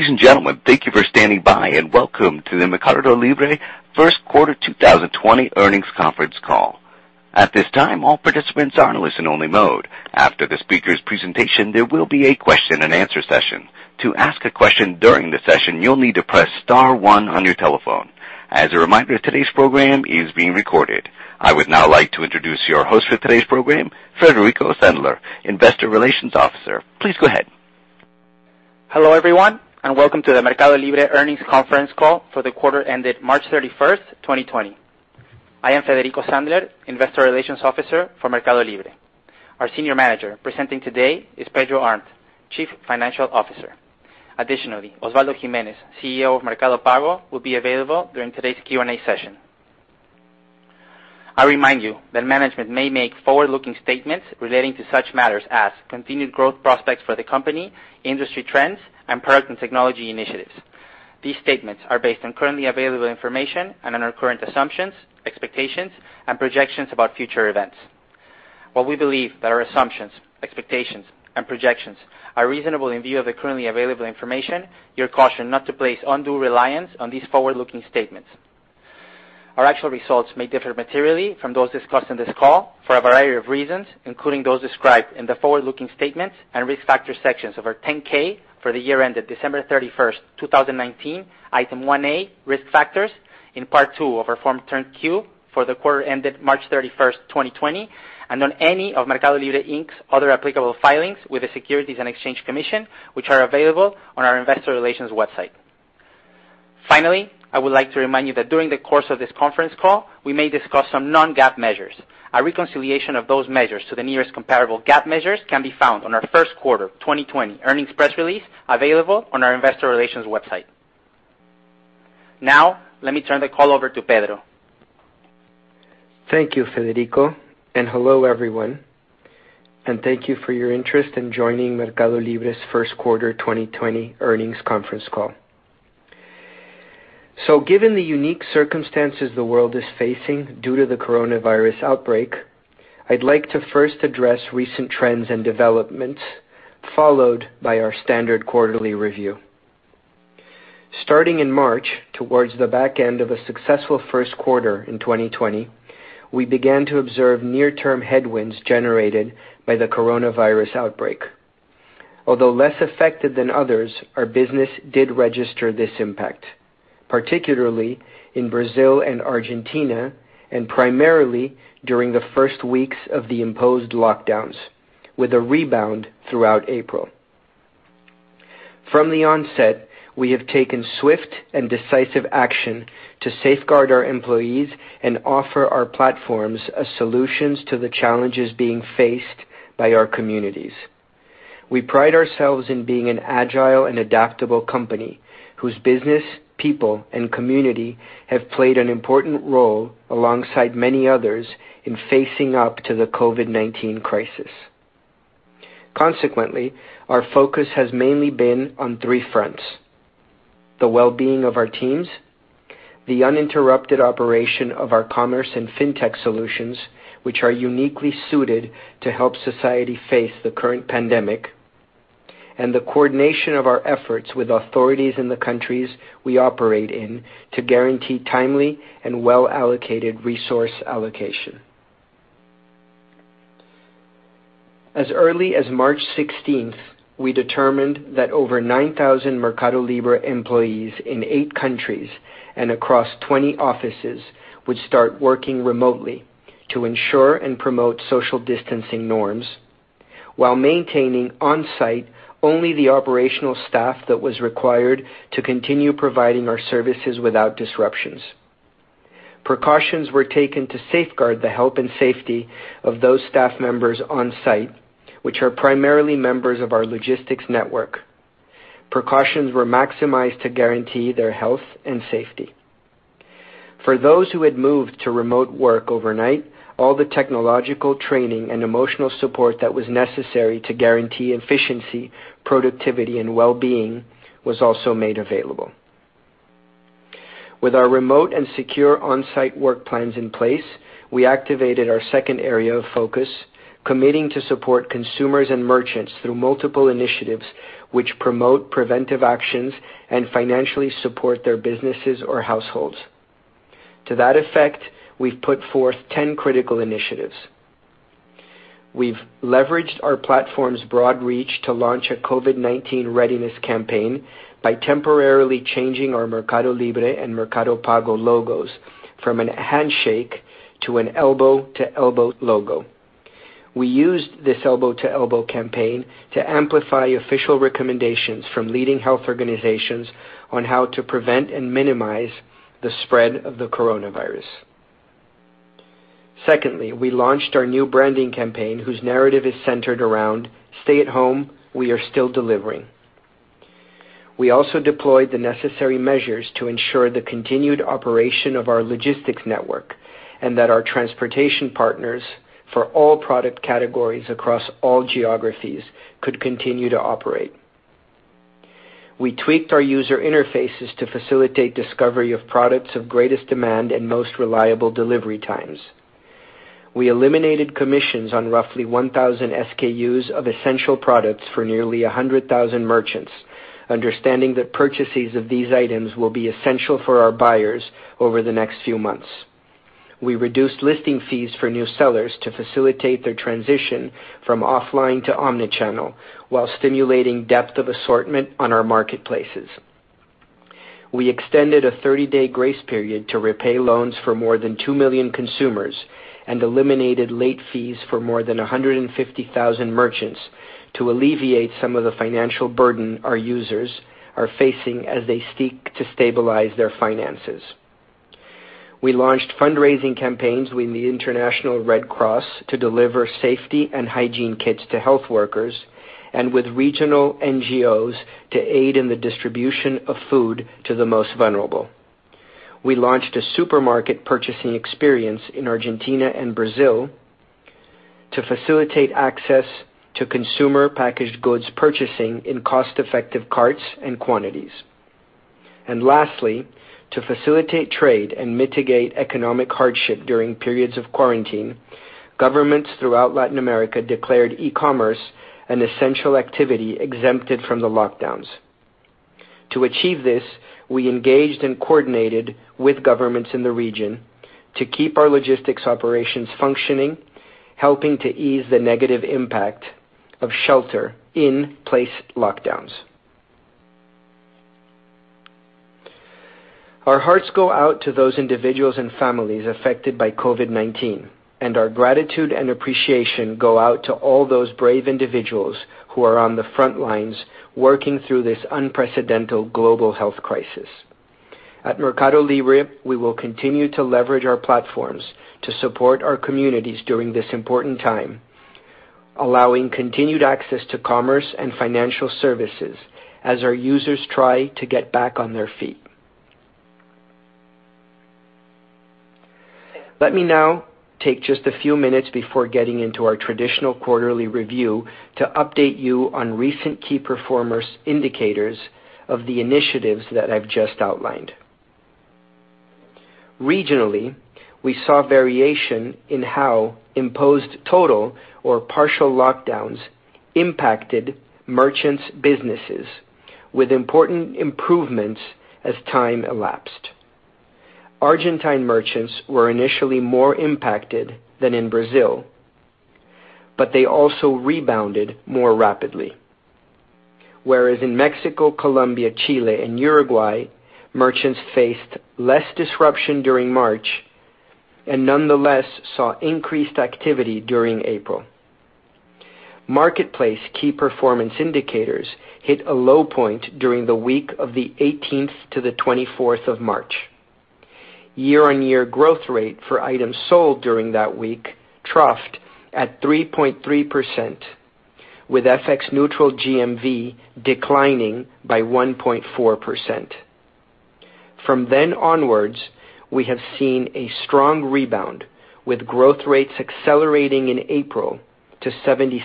Ladies and gentlemen, thank you for standing by and welcome to the MercadoLibre First Quarter 2020 Earnings Conference Call. At this time, all participants are in listen only mode. After the speakers' presentation, there will be a question-and-answer session. To ask a question during the session, you'll need to press star one on your telephone. As a reminder, today's program is being recorded. I would now like to introduce your host for today's program, Federico Sandler, Investor Relations Officer. Please go ahead. Hello, everyone, welcome to the MercadoLibre Earnings Conference Call for the quarter ended March 31st, 2020. I am Federico Sandler, investor relations officer for MercadoLibre. Our senior manager presenting today is Pedro Arnt, Chief Financial Officer. Additionally, Osvaldo Gimenez, CEO of Mercado Pago, will be available during today's Q&A session. I remind you that management may make forward-looking statements relating to such matters as continued growth prospects for the company, industry trends, and product and technology initiatives. These statements are based on currently available information and on our current assumptions, expectations, and projections about future events. While we believe that our assumptions, expectations, and projections are reasonable in view of the currently available information, you are cautioned not to place undue reliance on these forward-looking statements. Our actual results may differ materially from those discussed on this call for a variety of reasons, including those described in the forward-looking statements and risk factor sections of our 10-K for the year ended December 31st, 2019, Item 1A, Risk Factors in Part 2 of our Form 10-Q for the quarter ended March 31st, 2020, and on any of MercadoLibre, Inc.'s other applicable filings with the Securities and Exchange Commission, which are available on our investor relations website. I would like to remind you that during the course of this conference call, we may discuss some non-GAAP measures. A reconciliation of those measures to the nearest comparable GAAP measures can be found on our first quarter 2020 earnings press release available on our investor relations website. Let me turn the call over to Pedro. Thank you, Federico, and hello, everyone, and thank you for your interest in joining MercadoLibre's first quarter 2020 earnings conference call. Given the unique circumstances the world is facing due to the coronavirus outbreak, I'd like to first address recent trends and developments, followed by our standard quarterly review. Starting in March, towards the back end of a successful first quarter in 2020, we began to observe near-term headwinds generated by the coronavirus outbreak. Although less affected than others, our business did register this impact, particularly in Brazil and Argentina, and primarily during the first weeks of the imposed lockdowns, with a rebound throughout April. From the onset, we have taken swift and decisive action to safeguard our employees and offer our platforms as solutions to the challenges being faced by our communities. We pride ourselves in being an agile and adaptable company whose business, people, and community have played an important role alongside many others in facing up to the COVID-19 crisis. Consequently, our focus has mainly been on three fronts: The well-being of our teams, the uninterrupted operation of our commerce and fintech solutions, which are uniquely suited to help society face the current pandemic, and the coordination of our efforts with authorities in the countries we operate in to guarantee timely and well-allocated resource allocation. As early as March 16th, we determined that over 9,000 MercadoLibre employees in eight countries and across 20 offices would start working remotely to ensure and promote social distancing norms while maintaining on-site only the operational staff that was required to continue providing our services without disruptions. Precautions were taken to safeguard the health and safety of those staff members on-site, which are primarily members of our logistics network. Precautions were maximized to guarantee their health and safety. For those who had moved to remote work overnight, all the technological training and emotional support that was necessary to guarantee efficiency, productivity, and well-being was also made available. With our remote and secure on-site work plans in place, we activated our second area of focus, committing to support consumers and merchants through multiple initiatives which promote preventive actions and financially support their businesses or households. To that effect, we've put forth 10 critical initiatives. We've leveraged our platform's broad reach to launch a COVID-19 readiness campaign by temporarily changing our MercadoLibre and Mercado Pago logos from a handshake to an elbow-to-elbow logo. We used this elbow-to-elbow campaign to amplify official recommendations from leading health organizations on how to prevent and minimize the spread of the coronavirus. We launched our new branding campaign, whose narrative is centered around "Stay at home. We are still delivering." We also deployed the necessary measures to ensure the continued operation of our logistics network and that our transportation partners for all product categories across all geographies could continue to operate. We tweaked our user interfaces to facilitate discovery of products of greatest demand and most reliable delivery times. We eliminated commissions on roughly 1,000 SKUs of essential products for nearly 100,000 merchants, understanding that purchases of these items will be essential for our buyers over the next few months. We reduced listing fees for new sellers to facilitate their transition from offline to omni-channel, while stimulating depth of assortment on our marketplaces. We extended a 30-day grace period to repay loans for more than 2 million consumers and eliminated late fees for more than 150,000 merchants to alleviate some of the financial burden our users are facing as they seek to stabilize their finances. We launched fundraising campaigns with the International Red Cross to deliver safety and hygiene kits to health workers and with regional NGOs to aid in the distribution of food to the most vulnerable. We launched a supermarket purchasing experience in Argentina and Brazil to facilitate access to consumer packaged goods purchasing in cost-effective carts and quantities. Lastly, to facilitate trade and mitigate economic hardship during periods of quarantine, governments throughout Latin America declared e-commerce an essential activity exempted from the lockdowns. To achieve this, we engaged and coordinated with governments in the region to keep our logistics operations functioning, helping to ease the negative impact of shelter-in-place lockdowns. Our hearts go out to those individuals and families affected by COVID-19, and our gratitude and appreciation go out to all those brave individuals who are on the front lines working through this unprecedented global health crisis. At MercadoLibre, we will continue to leverage our platforms to support our communities during this important time, allowing continued access to commerce and financial services as our users try to get back on their feet. Let me now take just a few minutes before getting into our traditional quarterly review to update you on recent key performance indicators of the initiatives that I've just outlined. Regionally, we saw variation in how imposed total or partial lockdowns impacted merchants' businesses, with important improvements as time elapsed. Argentine merchants were initially more impacted than in Brazil, but they also rebounded more rapidly. Whereas in Mexico, Colombia, Chile, and Uruguay, merchants faced less disruption during March and nonetheless saw increased activity during April. Marketplace key performance indicators hit a low point during the week of the 18th to the 24th of March. Year-on-year growth rate for items sold during that week troughed at 3.3%, with FX neutral GMV declining by 1.4%. From then onwards, we have seen a strong rebound, with growth rates accelerating in April to 76%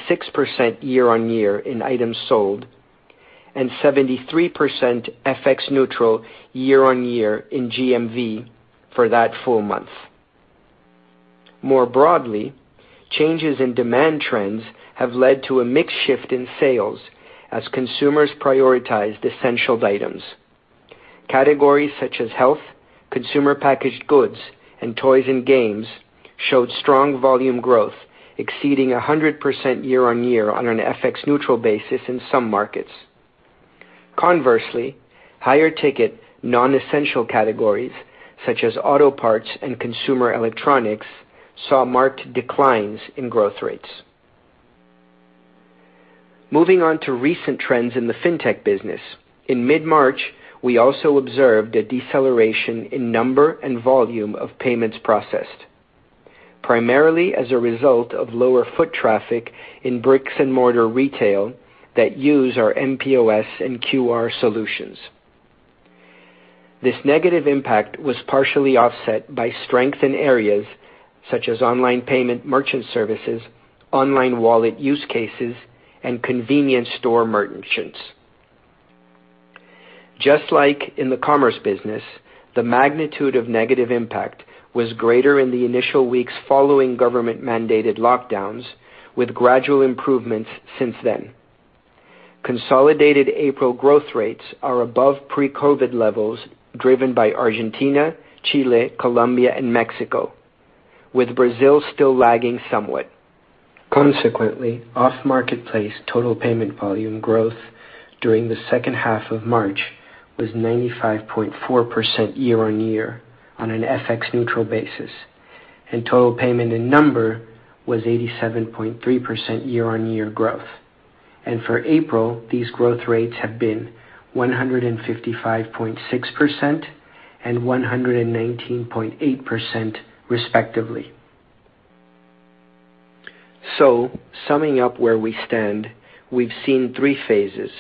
year-on-year in items sold and 73% FX neutral year-on-year in GMV for that full month. More broadly, changes in demand trends have led to a mix shift in sales as consumers prioritized essential items. Categories such as health, consumer packaged goods, and toys and games showed strong volume growth exceeding 100% year-on-year on an FX neutral basis in some markets. Conversely, higher ticket non-essential categories such as auto parts and consumer electronics saw marked declines in growth rates. Moving on to recent trends in the fintech business. In mid-March, we also observed a deceleration in number and volume of payments processed, primarily as a result of lower foot traffic in bricks and mortar retail that use our mPOS and QR solutions. This negative impact was partially offset by strength in areas such as online payment merchant services, online wallet use cases, and convenience store merchants. Just like in the commerce business, the magnitude of negative impact was greater in the initial weeks following government-mandated lockdowns, with gradual improvements since then. Consolidated April growth rates are above pre-COVID-19 levels, driven by Argentina, Chile, Colombia, and Mexico, with Brazil still lagging somewhat. Consequently, off-marketplace total payment volume growth during the second half of March was 95.4% year-on-year on an FX neutral basis, and total payment in number was 87.3% year-on-year growth. For April, these growth rates have been 155.6% and 119.8% respectively. Summing up where we stand, we've seen three phases.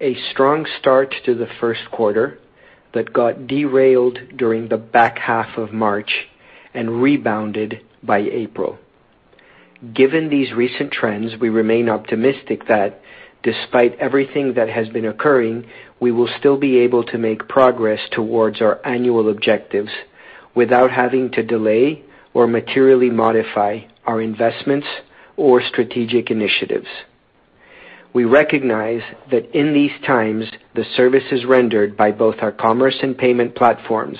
A strong start to the first quarter that got derailed during the back half of March and rebounded by April. Given these recent trends, we remain optimistic that despite everything that has been occurring, we will still be able to make progress towards our annual objectives without having to delay or materially modify our investments or strategic initiatives. We recognize that in these times, the services rendered by both our commerce and payment platforms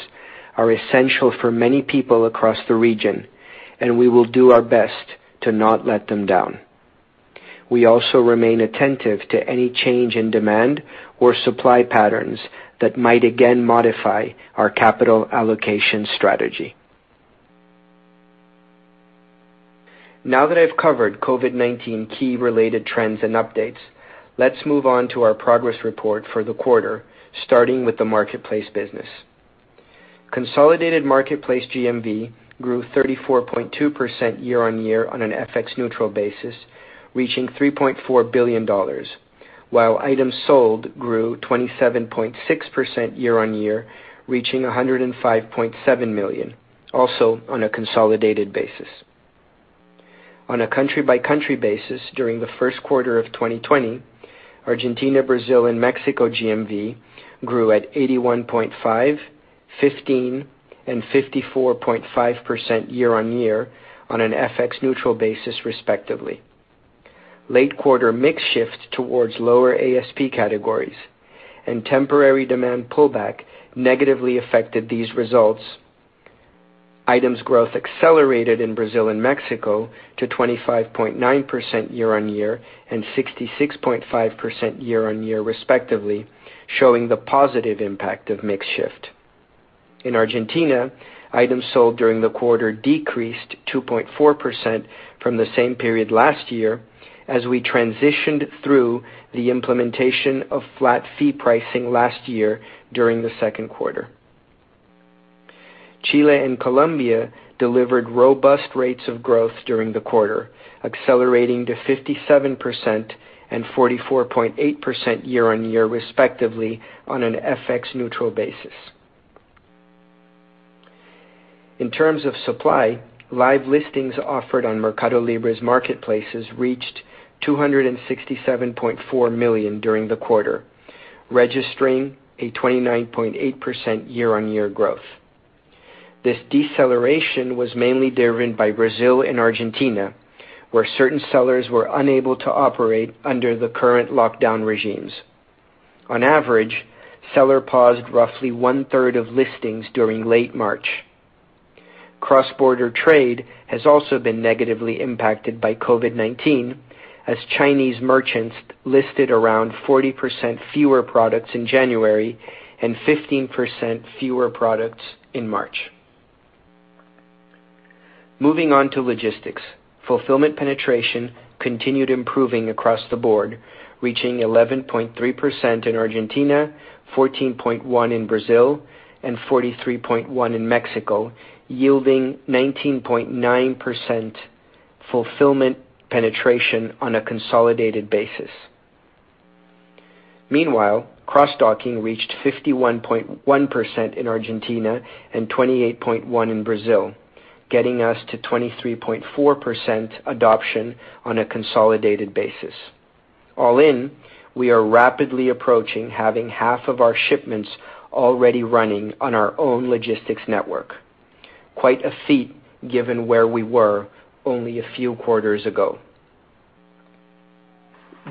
are essential for many people across the region, and we will do our best to not let them down. We also remain attentive to any change in demand or supply patterns that might again modify our capital allocation strategy. Now that I've covered COVID-19 key related trends and updates, let's move on to our progress report for the quarter, starting with the marketplace business. Consolidated marketplace GMV grew 34.2% year-on-year on an FX-neutral basis, reaching $3.4 billion, while items sold grew 27.6% year-on-year, reaching 105.7 million, also on a consolidated basis. On a country-by-country basis during the first quarter of 2020, Argentina, Brazil, and Mexico GMV grew at 81.5%, 15%, and 54.5% year-on-year on an FX-neutral basis, respectively. Late quarter mix shift towards lower ASP categories and temporary demand pullback negatively affected these results. Items growth accelerated in Brazil and Mexico to 25.9% year-on-year and 66.5% year-on-year respectively, showing the positive impact of mix shift. In Argentina, items sold during the quarter decreased 2.4% from the same period last year as we transitioned through the implementation of flat-fee pricing last year during the second quarter. Chile and Colombia delivered robust rates of growth during the quarter, accelerating to 57% and 44.8% year-on-year, respectively, on an FX neutral basis. In terms of supply, live listings offered on MercadoLibre's marketplaces reached 267.4 million during the quarter, registering a 29.8% year-on-year growth. This deceleration was mainly driven by Brazil and Argentina, where certain sellers were unable to operate under the current lockdown regimes. On average, seller paused roughly 1/3 of listings during late March. Cross-border trade has also been negatively impacted by COVID-19, as Chinese merchants listed around 40% fewer products in January and 15% fewer products in March. Moving on to logistics. Fulfillment penetration continued improving across the board, reaching 11.3% in Argentina, 14.1% in Brazil, and 43.1% in Mexico, yielding 19.9% fulfillment penetration on a consolidated basis. Cross-docking reached 51.1% in Argentina and 28.1% in Brazil, getting us to 23.4% adoption on a consolidated basis. All in, we are rapidly approaching having half of our shipments already running on our own logistics network. Quite a feat, given where we were only a few quarters ago.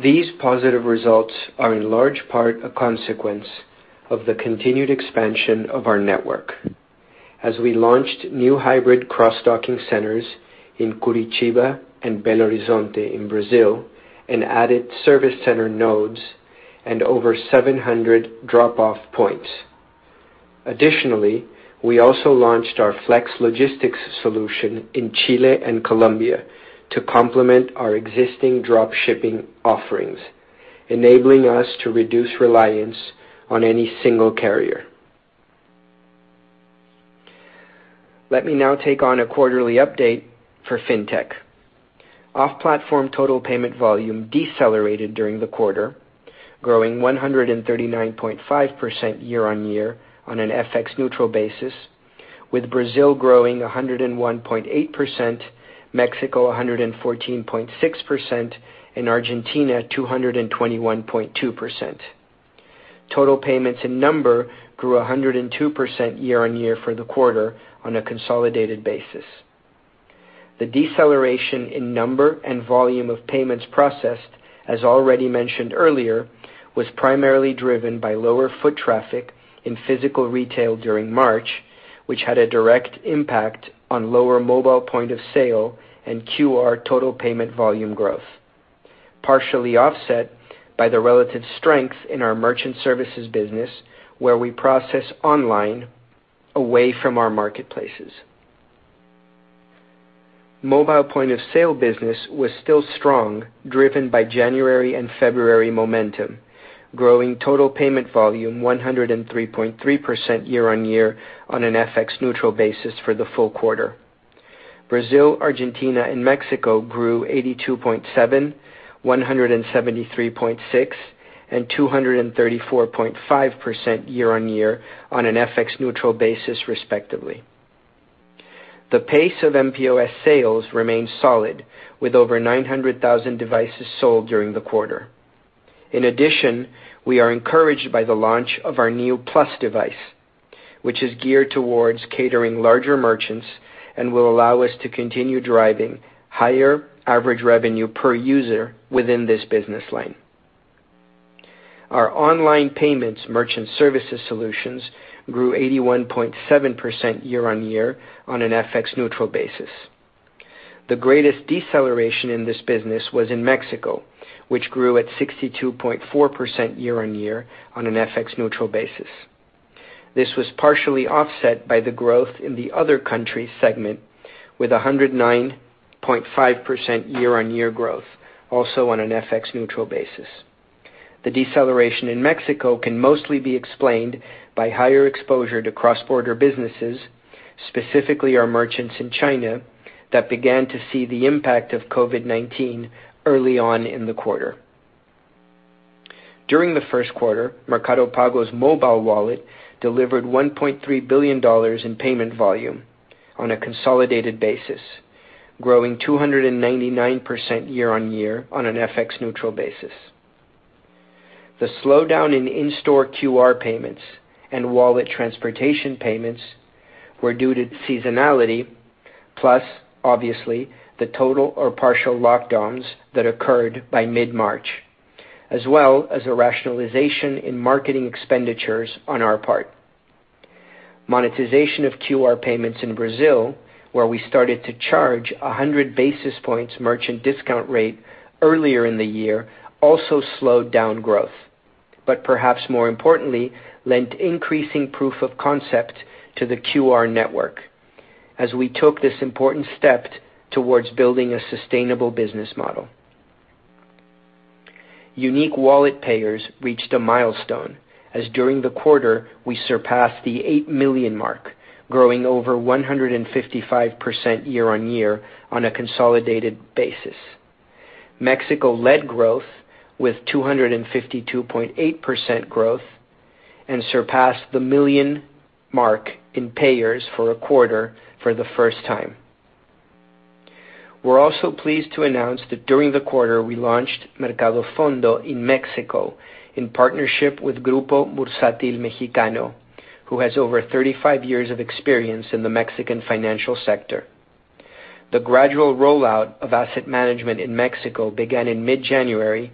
These positive results are in large part a consequence of the continued expansion of our network as we launched new hybrid cross-docking centers in Curitiba and Belo Horizonte in Brazil and added service center nodes and over 700 drop-off points. We also launched our flex logistics solution in Chile and Colombia to complement our existing drop shipping offerings, enabling us to reduce reliance on any single carrier. Let me now take on a quarterly update for fintech. Off-platform total payment volume decelerated during the quarter, growing 139.5% year-on-year on an FX-neutral basis, with Brazil growing 101.8%, Mexico 114.6%, and Argentina 221.2%. Total payments in number grew 102% year-on-year for the quarter on a consolidated basis. The deceleration in number and volume of payments processed, as already mentioned earlier, was primarily driven by lower foot traffic in physical retail during March, which had a direct impact on lower mobile point of sale and QR total payment volume growth, partially offset by the relative strength in our merchant services business where we process online away from our marketplaces. Mobile point-of-sale business was still strong, driven by January and February momentum, growing total payment volume 103.3% year-on-year on an FX-neutral basis for the full quarter. Brazil, Argentina, and Mexico grew 82.7%, 173.6% and 234.5% year-on-year on an FX-neutral basis respectively. The pace of mPOS sales remains solid, with over 900,000 devices sold during the quarter. We are encouraged by the launch of our new plus device, which is geared towards catering larger merchants and will allow us to continue driving higher average revenue per user within this business line. Our online payments merchant services solutions grew 81.7% year-on-year on an FX neutral basis. The greatest deceleration in this business was in Mexico, which grew at 62.4% year-on-year on an FX neutral basis. This was partially offset by the growth in the other country segment with 109.5% year-on-year growth, also on an FX neutral basis. The deceleration in Mexico can mostly be explained by higher exposure to cross-border businesses, specifically our merchants in China, that began to see the impact of COVID-19 early on in the quarter. During the first quarter, Mercado Pago's mobile wallet delivered $1.3 billion in payment volume on a consolidated basis, growing 299% year-over-year on an FX neutral basis. The slowdown in in-store QR payments and wallet transportation payments were due to seasonality, plus obviously the total or partial lockdowns that occurred by mid-March, as well as a rationalization in marketing expenditures on our part. Monetization of QR payments in Brazil, where we started to charge 100 basis points merchant discount rate earlier in the year, also slowed down growth, but perhaps more importantly lent increasing proof of concept to the QR network as we took this important step towards building a sustainable business model. Unique wallet payers reached a milestone as during the quarter we surpassed the 8 million mark, growing over 155% year-over-year on a consolidated basis. Mexico led growth with 252.8% growth and surpassed the million mark in payers for a quarter for the first time. We're also pleased to announce that during the quarter we launched Mercado Fondo in Mexico in partnership with Grupo Bursátil Mexicano, who has over 35 years of experience in the Mexican financial sector. The gradual rollout of asset management in Mexico began in mid-January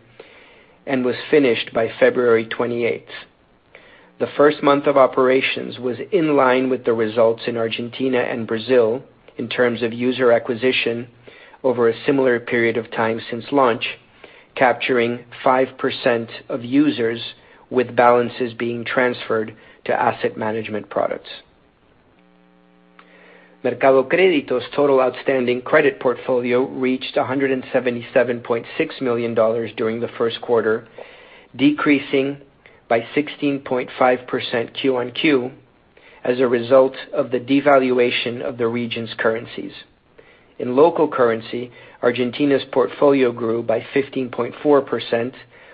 and was finished by February 28th. The first month of operations was in line with the results in Argentina and Brazil in terms of user acquisition over a similar period of time since launch, capturing 5% of users with balances being transferred to asset management products. Mercado Credito's total outstanding credit portfolio reached $177.6 million during the first quarter, decreasing by 16.5% Q1-Q as a result of the devaluation of the region's currencies. In local currency, Argentina's portfolio grew by 15.4%,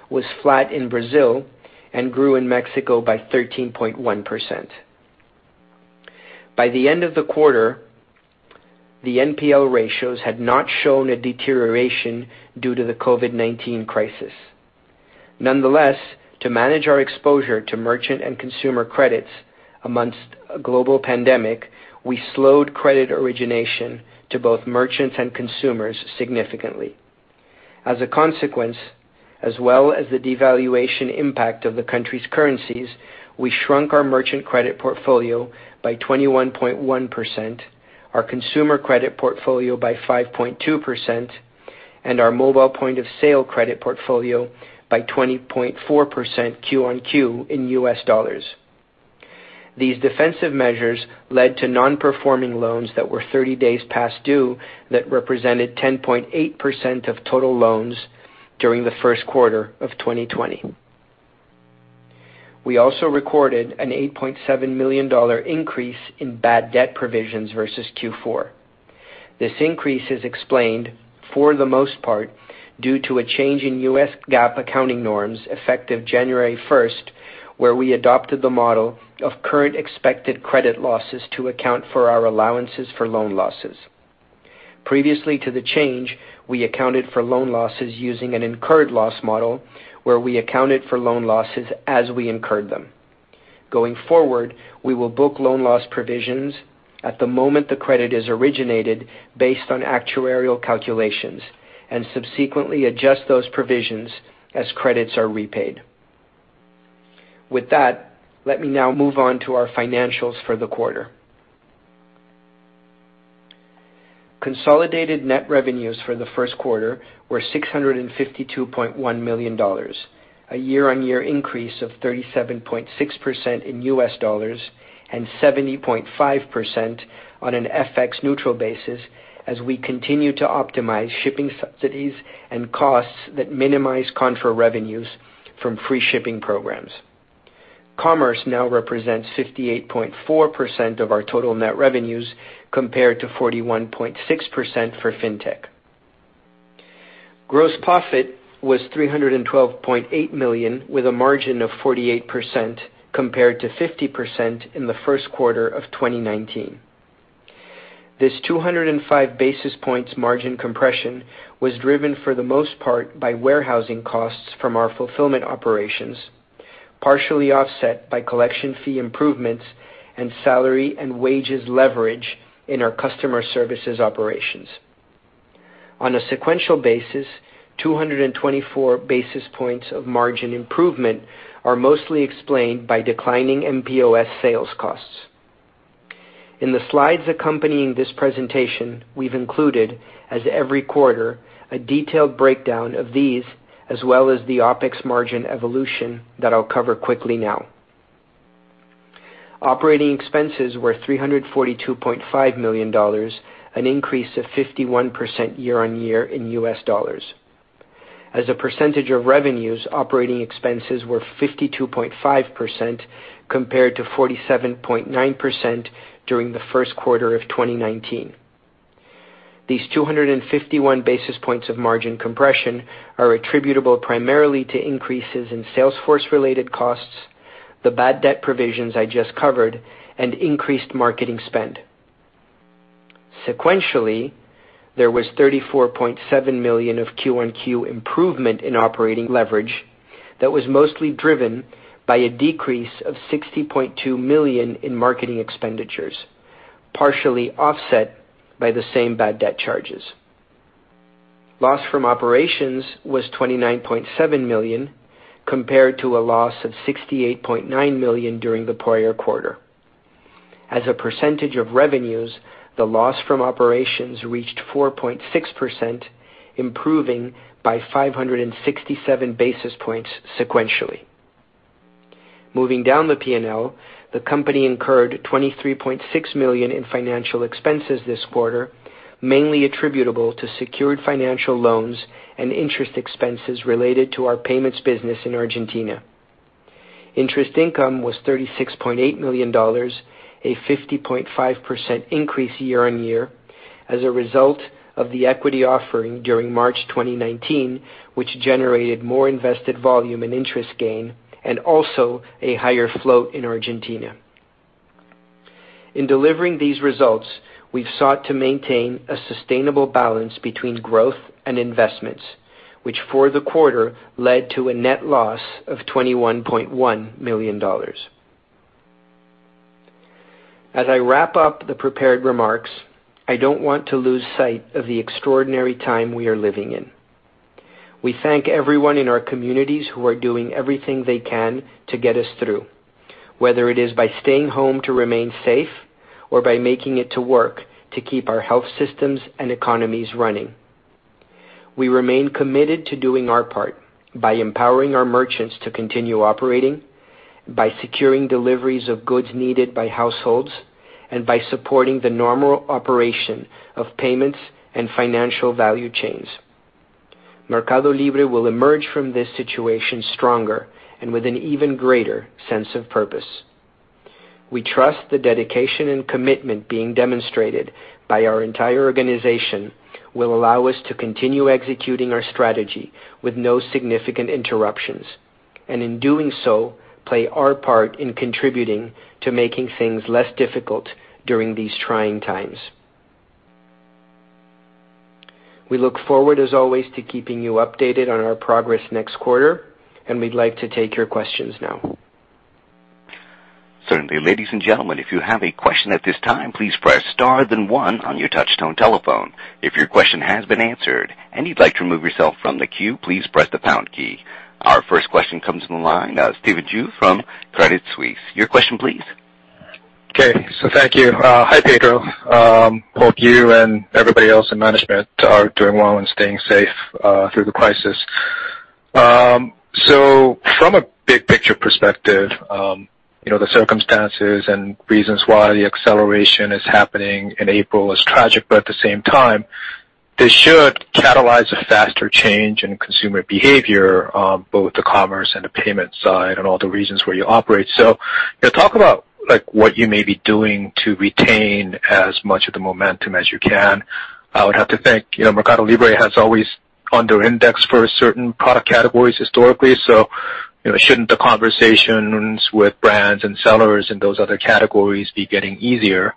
was flat in Brazil, and grew in Mexico by 13.1%. By the end of the quarter, the NPL ratios had not shown a deterioration due to the COVID-19 crisis. Nonetheless, to manage our exposure to merchant and consumer credits amongst a global pandemic, we slowed credit origination to both merchants and consumers significantly. As a consequence, as well as the devaluation impact of the country's currencies, we shrunk our merchant credit portfolio by 21.1%, our consumer credit portfolio by 5.2%, and our mobile point-of-sale credit portfolio by 20.4% Q1Q in U.S. dollars. These defensive measures led to non-performing loans that were 30 days past due that represented 10.8% of total loans during the first quarter of 2020. We also recorded an $8.7 million increase in bad debt provisions versus Q4. This increase is explained for the most part due to a change in US GAAP accounting norms effective January 1st, where we adopted the model of current expected credit losses to account for our allowances for loan losses. Previously to the change, we accounted for loan losses using an incurred loss model, where we accounted for loan losses as we incurred them. Going forward, we will book loan loss provisions at the moment the credit is originated based on actuarial calculations, and subsequently adjust those provisions as credits are repaid. With that, let me now move on to our financials for the quarter. Consolidated net revenues for the first quarter were $652.1 million, a year-on-year increase of 37.6% in U.S. dollars and 70.5% on an FX neutral basis as we continue to optimize shipping subsidies and costs that minimize contra revenues from free shipping programs. Commerce now represents 58.4% of our total net revenues, compared to 41.6% for fintech. Gross profit was $312.8 million, with a margin of 48%, compared to 50% in the first quarter of 2019. This 205 basis points margin compression was driven for the most part by warehousing costs from our fulfillment operations, partially offset by collection fee improvements and salary and wages leverage in our customer services operations. On a sequential basis, 224 basis points of margin improvement are mostly explained by declining mPOS sales costs. In the slides accompanying this presentation, we've included, as every quarter, a detailed breakdown of these, as well as the OpEx margin evolution that I'll cover quickly now. Operating expenses were $342.5 million, an increase of 51% year-on-year in US dollars. As a percentage of revenues, operating expenses were 52.5%, compared to 47.9% during the first quarter of 2019. These 251 basis points of margin compression are attributable primarily to increases in sales force-related costs, the bad debt provisions I just covered, and increased marketing spend. Sequentially, there was $34.7 million of Q1Q improvement in operating leverage that was mostly driven by a decrease of $60.2 million in marketing expenditures, partially offset by the same bad debt charges. Loss from operations was $29.7 million, compared to a loss of $68.9 million during the prior quarter. As a percentage of revenues, the loss from operations reached 4.6%, improving by 567 basis points sequentially. Moving down the P&L, the company incurred $23.6 million in financial expenses this quarter, mainly attributable to secured financial loans and interest expenses related to our payments business in Argentina. Interest income was $36.8 million, a 50.5% increase year-on-year as a result of the equity offering during March 2019, which generated more invested volume and interest gain, and also a higher float in Argentina. In delivering these results, we've sought to maintain a sustainable balance between growth and investments, which for the quarter led to a net loss of $21.1 million. As I wrap up the prepared remarks, I don't want to lose sight of the extraordinary time we are living in. We thank everyone in our communities who are doing everything they can to get us through, whether it is by staying home to remain safe or by making it to work to keep our health systems and economies running. We remain committed to doing our part by empowering our merchants to continue operating, by securing deliveries of goods needed by households, and by supporting the normal operation of payments and financial value chains. MercadoLibre will emerge from this situation stronger and with an even greater sense of purpose. We trust the dedication and commitment being demonstrated by our entire organization will allow us to continue executing our strategy with no significant interruptions, and in doing so, play our part in contributing to making things less difficult during these trying times. We look forward, as always, to keeping you updated on our progress next quarter, and we'd like to take your questions now. Certainly. Ladies and gentlemen, if you have a question at this time, please press star then one on your touch tone telephone. If your question has been answered and you'd like to remove yourself from the queue, please press the pound key. Our first question comes from the line, Stephen Ju from Credit Suisse. Your question please. Okay. Thank you. Hi, Pedro. Hope you and everybody else in management are doing well and staying safe through the crisis. From a big picture perspective, the circumstances and reasons why the acceleration is happening in April is tragic, but at the same time, this should catalyze a faster change in consumer behavior on both the commerce and the payment side and all the regions where you operate. Talk about what you may be doing to retain as much of the momentum as you can. I would have to think MercadoLibre has always under indexed for certain product categories historically. Shouldn't the conversations with brands and sellers in those other categories be getting easier?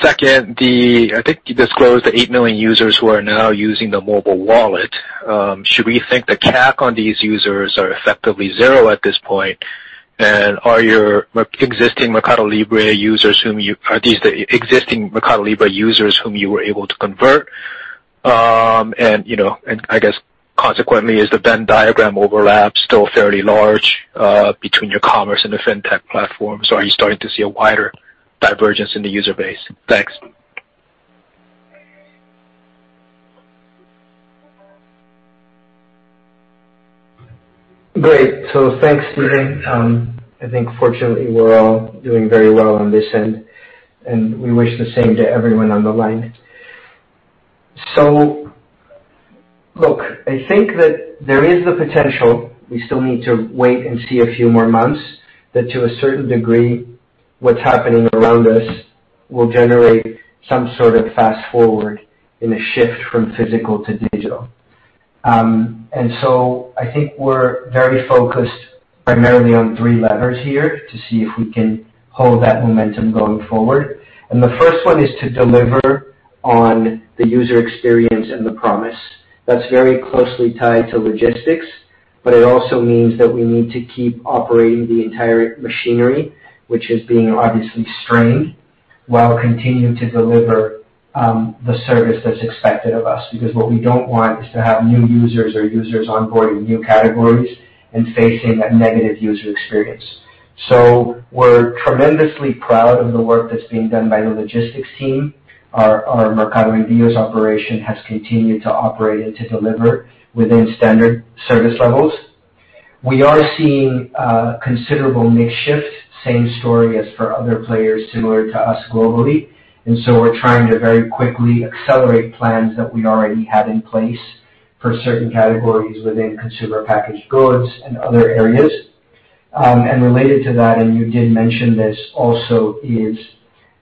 Second, I think you disclosed the eight million users who are now using the mobile wallet. Should we think the CAC on these users are effectively zero at this point? Are these the existing MercadoLibre users whom you were able to convert? I guess consequently, is the Venn diagram overlap still fairly large between your commerce and the fintech platform? Are you starting to see a wider divergence in the user base? Thanks. Great. Thanks, Stephen. I think fortunately, we're all doing very well on this end, and we wish the same to everyone on the line. Look, I think that there is the potential. We still need to wait and see a few more months, that to a certain degree, what's happening around us will generate some sort of fast-forward in a shift from physical to digital. I think we're very focused primarily on three levers here to see if we can hold that momentum going forward. The first one is to deliver on the user experience and the promise. That's very closely tied to logistics, but it also means that we need to keep operating the entire machinery, which is being obviously strained, while continuing to deliver the service that's expected of us. What we don't want is to have new users or users onboarding new categories and facing a negative user experience. We're tremendously proud of the work that's being done by the logistics team. Our Mercado Envios operation has continued to operate and to deliver within standard service levels. We are seeing a considerable mix shift, same story as for other players similar to us globally. We're trying to very quickly accelerate plans that we already had in place for certain categories within consumer packaged goods and other areas. Related to that, and you did mention this also, is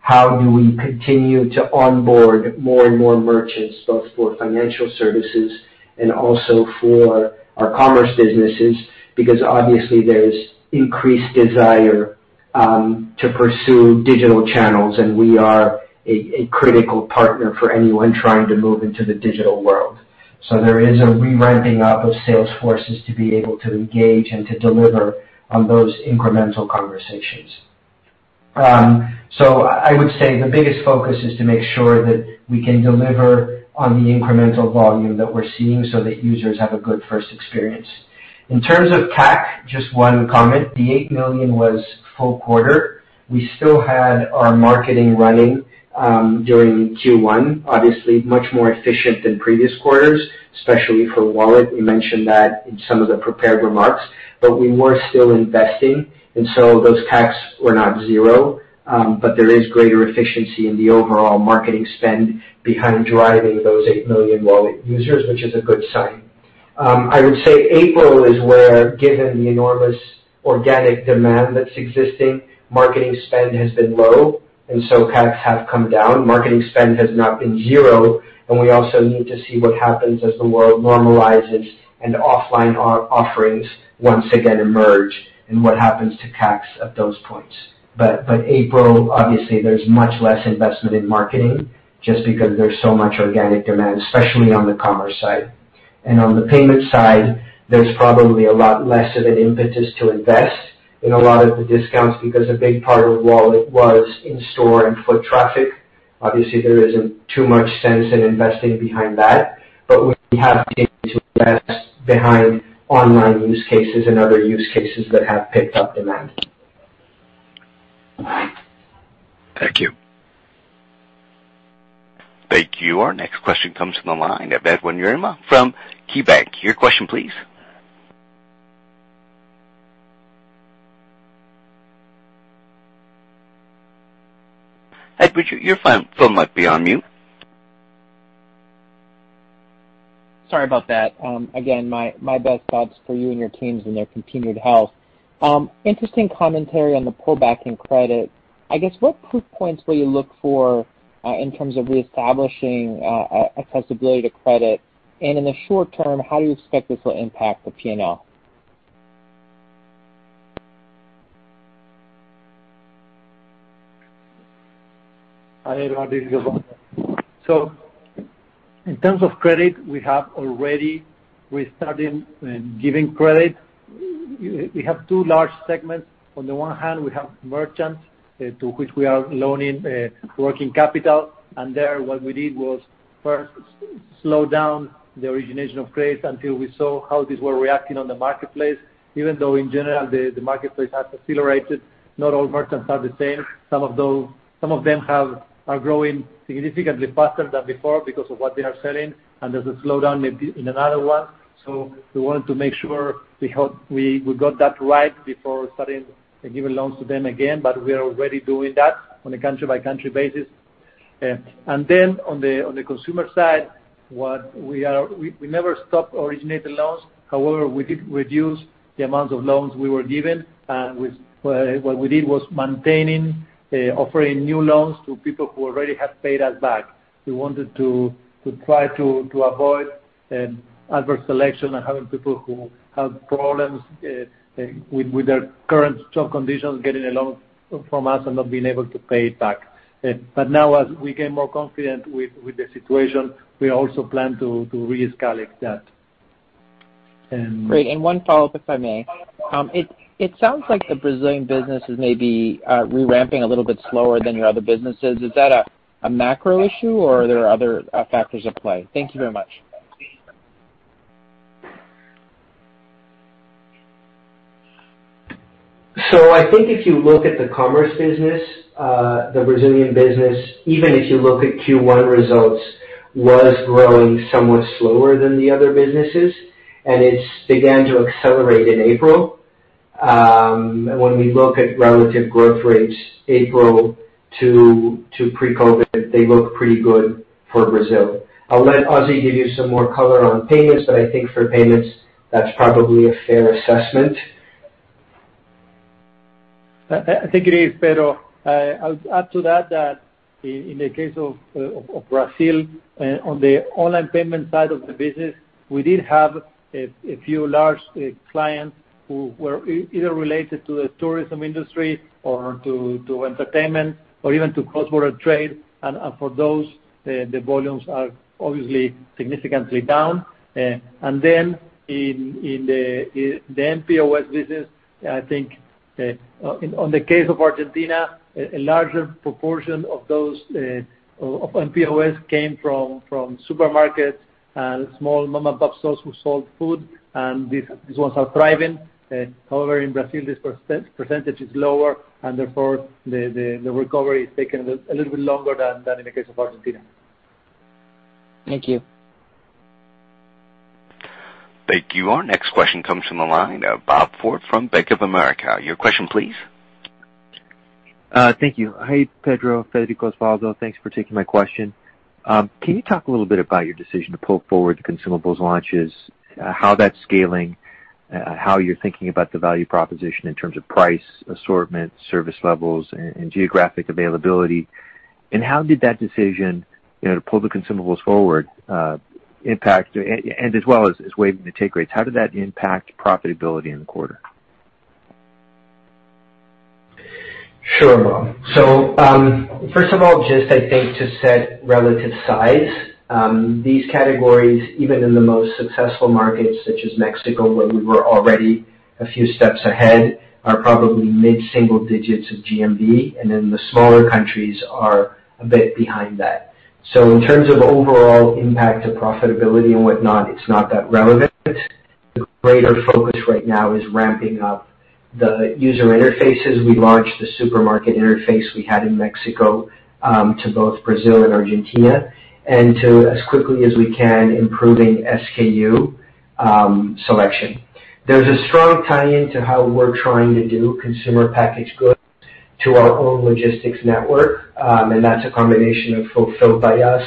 how do we continue to onboard more and more merchants, both for financial services and also for our commerce businesses, because obviously there's increased desire to pursue digital channels, and we are a critical partner for anyone trying to move into the digital world. There is a re-ramping up of sales forces to be able to engage and to deliver on those incremental conversations. I would say the biggest focus is to make sure that we can deliver on the incremental volume that we're seeing so that users have a good first experience. In terms of CAC, just one comment. The $8 million was full quarter. We still had our marketing running during Q1, obviously much more efficient than previous quarters, especially for Wallet. We mentioned that in some of the prepared remarks. We were still investing, and so those CACs were not zero. There is greater efficiency in the overall marketing spend behind driving those 8 million Wallet users, which is a good sign. April is where, given the enormous organic demand that's existing, marketing spend has been low, and so CACs have come down. Marketing spend has not been zero, and we also need to see what happens as the world normalizes and offline offerings once again emerge and what happens to CACs at those points. April, obviously, there's much less investment in marketing just because there's so much organic demand, especially on the commerce side. On the payment side, there's probably a lot less of an impetus to invest in a lot of the discounts because a big part of Wallet was in-store and foot traffic. Obviously, there isn't too much sense in investing behind that. We have changed invest behind online use cases and other use cases that have picked up demand. Thank you. Thank you. Our next question comes from the line of Edward Yruma from KeyBanc. Your question please. Edward, your phone might be on mute. Sorry about that. Again, my best thoughts for you and your teams and their continued health. Interesting commentary on the pull backing credit. I guess what proof points will you look for in terms of reestablishing accessibility to credit? In the short term, how do you expect this will impact the P&L? Hi, Edward, this is Osvaldo. In terms of credit, we have already restarted giving credit. We have two large segments. On the one hand, we have merchants to which we are loaning working capital. There what we did was first slow down the origination of credits until we saw how these were reacting on the marketplace. Even though in general the marketplace has accelerated, not all merchants are the same. Some of them are growing significantly faster than before because of what they are selling, and there's a slowdown in another one. We wanted to make sure we got that right before starting giving loans to them again, we are already doing that on a country-by-country basis. On the consumer side, we never stopped originating loans. However, we did reduce the amount of loans we were giving, and what we did was maintaining offering new loans to people who already have paid us back. We wanted to try to avoid adverse selection and having people who have problems with their current job conditions getting a loan from us and not being able to pay it back. Now as we get more confident with the situation, we also plan to re-escalate that. Great. One follow-up, if I may. It sounds like the Brazilian business is maybe re-ramping a little bit slower than your other businesses. Is that a macro issue, or are there other factors at play? Thank you very much. I think if you look at the commerce business, the Brazilian business, even if you look at Q1 results, was growing somewhat slower than the other businesses, and it's began to accelerate in April. When we look at relative growth rates, April to pre-COVID-19, they look pretty good for Brazil. I'll let Ozzy give you some more color on payments, but I think for payments, that's probably a fair assessment. I think it is, Pedro. I'll add to that in the case of Brazil, on the online payment side of the business, we did have a few large clients who were either related to the tourism industry or to entertainment or even to cross-border trade. For those, the volumes are obviously significantly down. In the mPOS business, I think on the case of Argentina, a larger proportion of those mPOS came from supermarkets and small mom-and-pop stores who sold food, and these ones are thriving. In Brazil, this percentage is lower and therefore the recovery is taking a little bit longer than in the case of Argentina. Thank you. Thank you. Our next question comes from the line of Bob Ford from Bank of America. Your question please. Thank you. Hey, Pedro, Federico, Osvaldo. Thanks for taking my question. Can you talk a little bit about your decision to pull forward consumables launches, how that's scaling, how you're thinking about the value proposition in terms of price, assortment, service levels, and geographic availability? How did that decision to pull the consumables forward impact, and as well as waiving the take rates, how did that impact profitability in the quarter? Sure, Bob. First of all, just I think to set relative size. These categories, even in the most successful markets such as Mexico, where we were already a few steps ahead, are probably mid-single digits of GMV, and then the smaller countries are a bit behind that. In terms of overall impact to profitability and whatnot, it's not that relevant. The greater focus right now is ramping up the user interfaces. We launched the supermarket interface we had in Mexico to both Brazil and Argentina, and to, as quickly as we can, improving SKU selection. There's a strong tie-in to how we're trying to do consumer packaged goods to our own logistics network. That's a combination of fulfilled by us,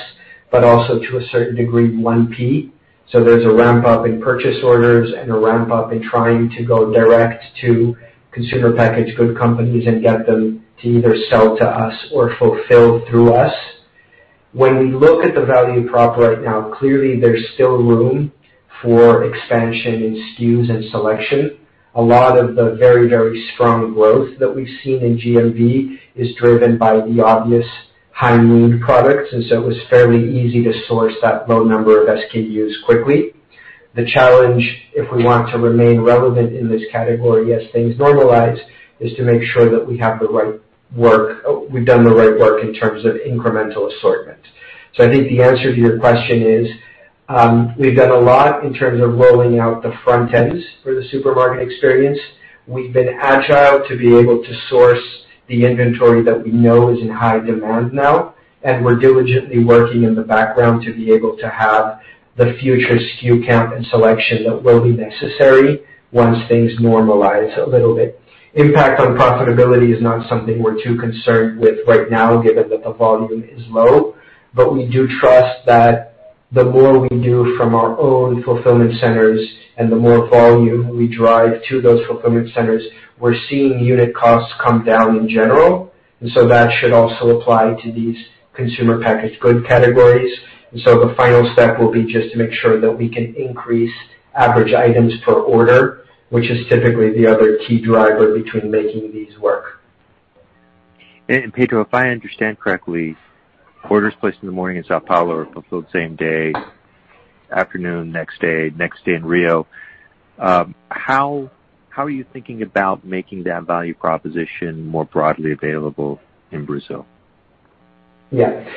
but also to a certain degree, 1P. There's a ramp-up in purchase orders and a ramp-up in trying to go direct to consumer packaged good companies and get them to either sell to us or fulfill through us. When we look at the value prop right now, clearly there's still room for expansion in SKUs and selection. A lot of the very strong growth that we've seen in GMV is driven by the obvious high mood products, and so it was fairly easy to source that low number of SKUs quickly. The challenge, if we want to remain relevant in this category as things normalize, is to make sure that we've done the right work in terms of incremental assortment. I think the answer to your question is, we've done a lot in terms of rolling out the front ends for the supermarket experience. We've been agile to be able to source the inventory that we know is in high demand now, and we're diligently working in the background to be able to have the future SKU count and selection that will be necessary once things normalize a little bit. Impact on profitability is not something we're too concerned with right now given that the volume is low. We do trust that the more we do from our own fulfillment centers and the more volume we drive to those fulfillment centers, we're seeing unit costs come down in general. That should also apply to these consumer packaged good categories. The final step will be just to make sure that we can increase average items per order, which is typically the other key driver between making these work. Pedro, if I understand correctly, orders placed in the morning in São Paulo are fulfilled same day, afternoon, next day, next day in Rio. How are you thinking about making that value proposition more broadly available in Brazil? Yeah.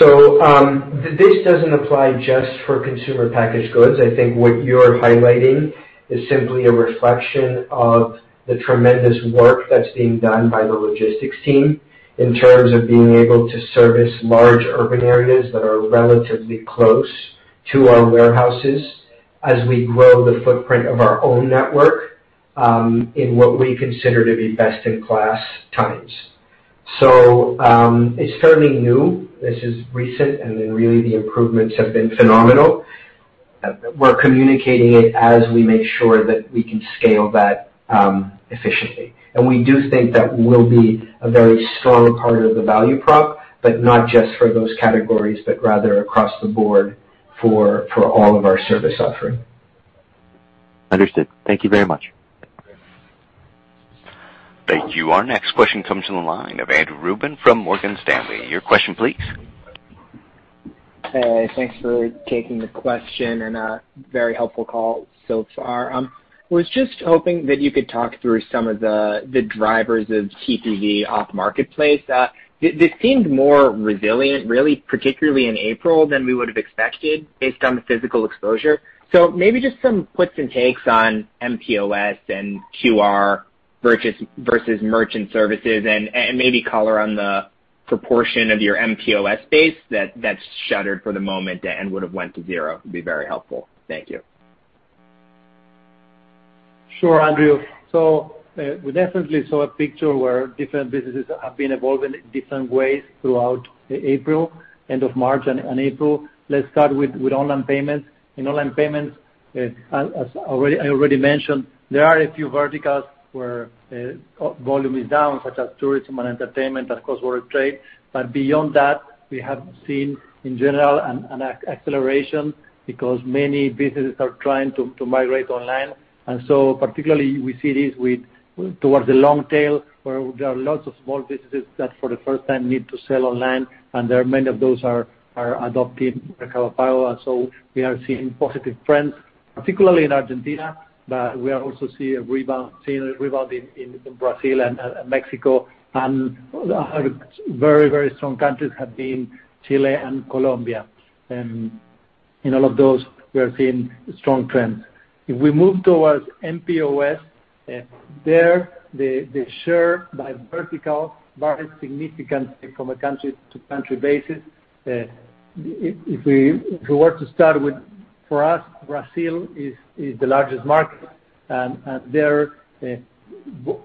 This doesn't apply just for consumer packaged goods. I think what you're highlighting is simply a reflection of the tremendous work that's being done by the logistics team in terms of being able to service large urban areas that are relatively close to our warehouses as we grow the footprint of our own network in what we consider to be best-in-class times. It's fairly new. This is recent, really the improvements have been phenomenal. We're communicating it as we make sure that we can scale that efficiently. We do think that will be a very strong part of the value prop, not just for those categories, but rather across the board for all of our service offering. Understood. Thank you very much. Thank you. Our next question comes from the line of Andrew Ruben from Morgan Stanley. Your question please. Hey, thanks for taking the question, a very helpful call so far. Was just hoping that you could talk through some of the drivers of TPV off marketplace. They seemed more resilient, really, particularly in April, than we would have expected based on the physical exposure. Maybe just some puts and takes on mPOS and QR versus merchant services and maybe color on the proportion of your mPOS base that's shuttered for the moment and would've went to zero would be very helpful. Thank you. Sure, Andrew. We definitely saw a picture where different businesses have been evolving in different ways throughout April, end of March and April. Let's start with online payments. In online payments, as I already mentioned, there are a few verticals where volume is down, such as tourism and entertainment, and of course, world trade. Beyond that, we have seen, in general, an acceleration because many businesses are trying to migrate online. Particularly we see this towards the long tail, where there are lots of small businesses that for the first time need to sell online, and many of those are adopting Mercado Pago. We are seeing positive trends, particularly in Argentina, but we are also seeing a rebound in Brazil and Mexico. Very strong countries have been Chile and Colombia. In all of those, we are seeing strong trends. If we move towards mPOS, there the share by vertical varies significantly from a country to country basis. If we were to start with, for us, Brazil is the largest market, their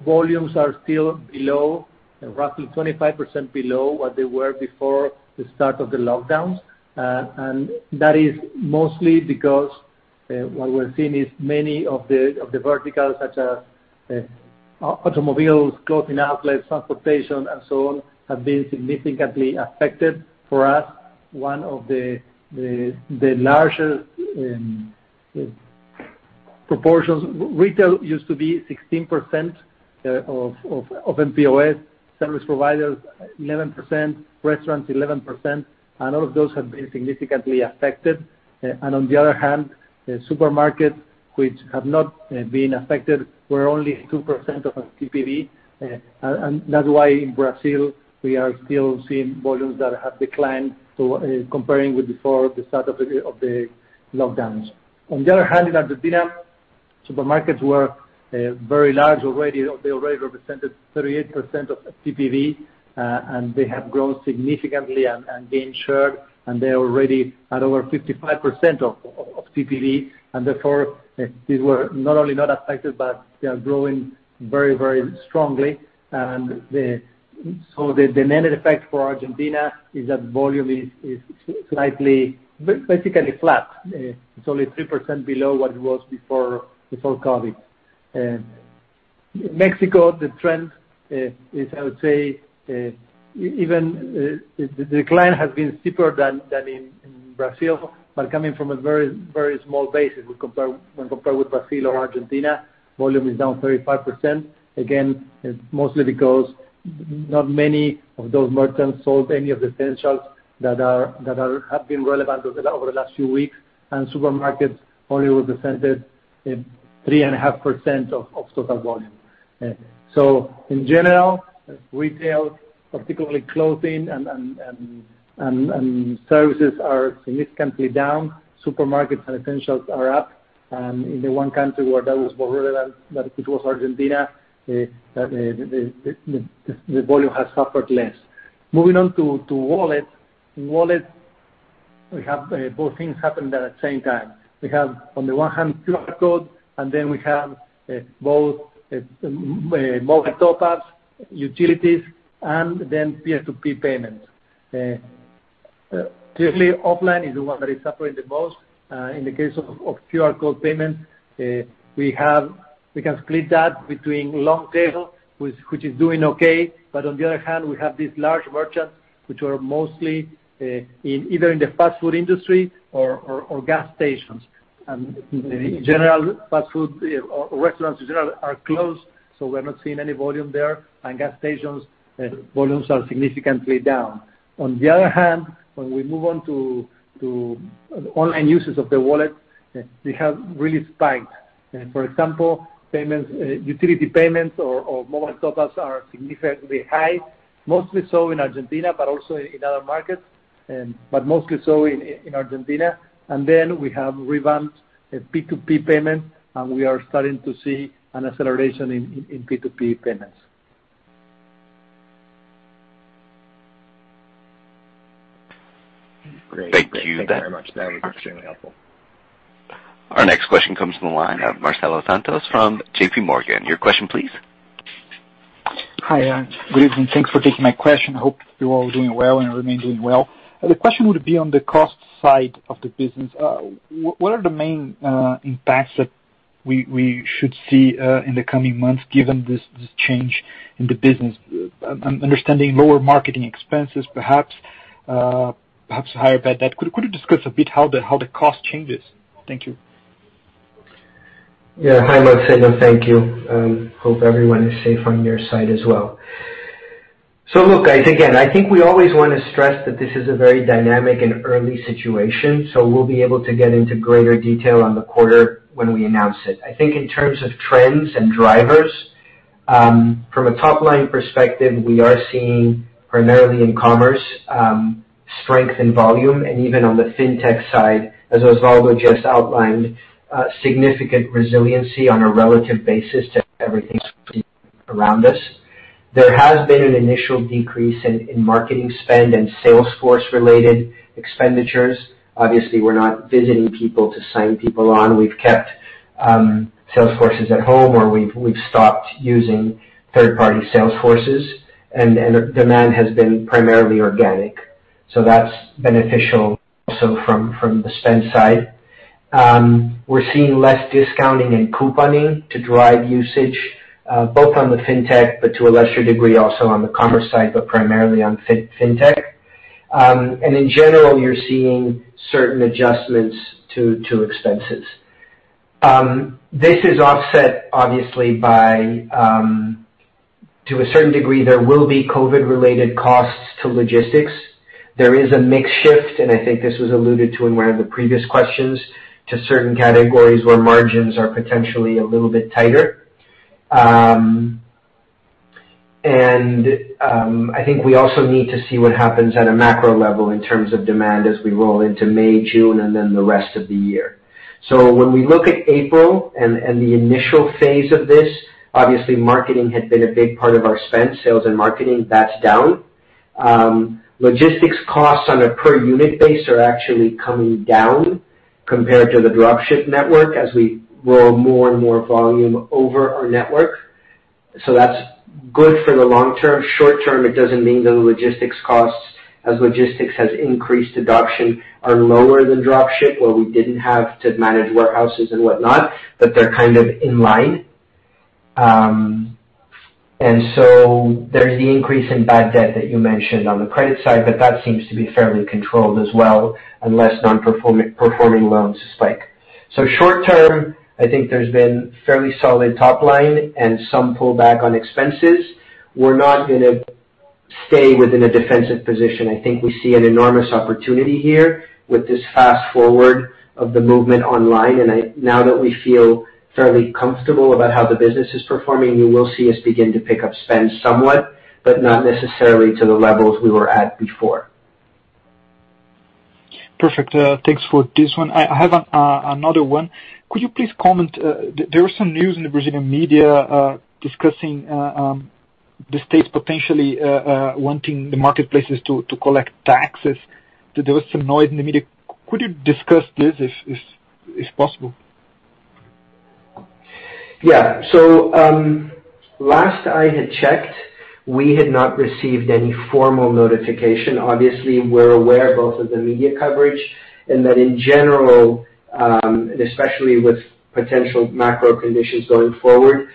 volumes are still roughly 25% below what they were before the start of the lockdowns. That is mostly because what we're seeing is many of the verticals, such as automobiles, clothing outlets, transportation, and so on, have been significantly affected. For us, one of the largest proportions, retail used to be 16% of mPOS, service providers 11%, restaurants 11%, and all of those have been significantly affected. On the other hand, supermarkets, which have not been affected, were only 2% of TPV. That's why in Brazil, we are still seeing volumes that have declined comparing with before the start of the lockdowns. On the other hand, in Argentina, supermarkets were very large already. They already represented 38% of TPV, and they have grown significantly and gained share, and they're already at over 55% of TPV. Therefore, these were not only not affected, but they are growing very strongly. The net effect for Argentina is that volume is basically flat. It's only 3% below what it was before COVID-19. Mexico, the trend is, I would say, the decline has been steeper than in Brazil, but coming from a very small base when compared with Brazil or Argentina. Volume is down 35%. Again, it's mostly because not many of those merchants sold any of the essentials that have been relevant over the last few weeks, and supermarkets only represented 3.5% of total volume. In general, retail, particularly clothing and services are significantly down. Supermarkets and essentials are up. In the one country where that was more relevant, it was Argentina, the volume has suffered less. Moving on to wallet. Wallet, we have both things happening there at the same time. We have, on the one hand, QR code, and then we have both mobile top-ups, utilities, and then P2P payments. Clearly, offline is the one that is suffering the most. In the case of QR code payments we can split that between long tail, which is doing okay, but on the other hand, we have these large merchants, which are mostly either in the fast food industry or gas stations. Restaurants, in general, are closed, so we're not seeing any volume there. Gas stations, volumes are significantly down. On the other hand, when we move on to online users of the wallet, they have really spiked. For example, utility payments or mobile top-ups are significantly high, mostly so in Argentina, but also in other markets. Mostly so in Argentina. We have revamped P2P payments, and we are starting to see an acceleration in P2P payments. Great. Thank you. Thank you very much. That was extremely helpful. Our next question comes from the line of Marcelo Santos from JPMorgan. Your question, please. Hi. Good evening. Thanks for taking my question. Hope you all are doing well and remain doing well. The question would be on the cost side of the business. What are the main impacts that we should see in the coming months given this change in the business? I'm understanding lower marketing expenses perhaps higher bad debt. Could you discuss a bit how the cost changes? Thank you. Hi, Marcelo. Thank you. Hope everyone is safe on your side as well. Look, again, I think we always want to stress that this is a very dynamic and early situation. We'll be able to get into greater detail on the quarter when we announce it. I think in terms of trends and drivers, from a top-line perspective, we are seeing primarily in commerce strength in volume, even on the fintech side, as Osvaldo just outlined, significant resiliency on a relative basis to everything around us. There has been an initial decrease in marketing spend and sales force-related expenditures. Obviously, we're not visiting people to sign people on. We've kept sales forces at home or we've stopped using third-party sales forces. Demand has been primarily organic. That's beneficial also from the spend side. We're seeing less discounting and couponing to drive usage, both on the fintech, but to a lesser degree also on the commerce side, but primarily on fintech. In general, you're seeing certain adjustments to expenses. This is offset obviously to a certain degree, there will be COVID-related costs to logistics. There is a mix shift, I think this was alluded to in one of the previous questions, to certain categories where margins are potentially a little bit tighter. I think we also need to see what happens at a macro level in terms of demand as we roll into May, June, and then the rest of the year. When we look at April and the initial phase of this, obviously marketing had been a big part of our spend. Sales and marketing, that's down. Logistics costs on a per-unit base are actually coming down compared to the drop ship network as we roll more and more volume over our network. That's good for the long term. Short term, it doesn't mean the logistics costs, as logistics has increased adoption, are lower than drop ship where we didn't have to manage warehouses and whatnot, but they're kind of in line. There's the increase in bad debt that you mentioned on the credit side, but that seems to be fairly controlled as well, unless non-performing loans spike. Short term, I think there's been fairly solid top line and some pullback on expenses. We're not going to stay within a defensive position. I think we see an enormous opportunity here with this fast-forward of the movement online, and now that we feel fairly comfortable about how the business is performing, you will see us begin to pick up spend somewhat, but not necessarily to the levels we were at before. Perfect. Thanks for this one. I have another one. Could you please comment, there was some news in the Brazilian media discussing the states potentially wanting the marketplaces to collect taxes. There was some noise in the media. Could you discuss this if possible? Last I had checked, we had not received any formal notification. Obviously, we're aware both of the media coverage and that in general, especially with potential macro conditions going forward,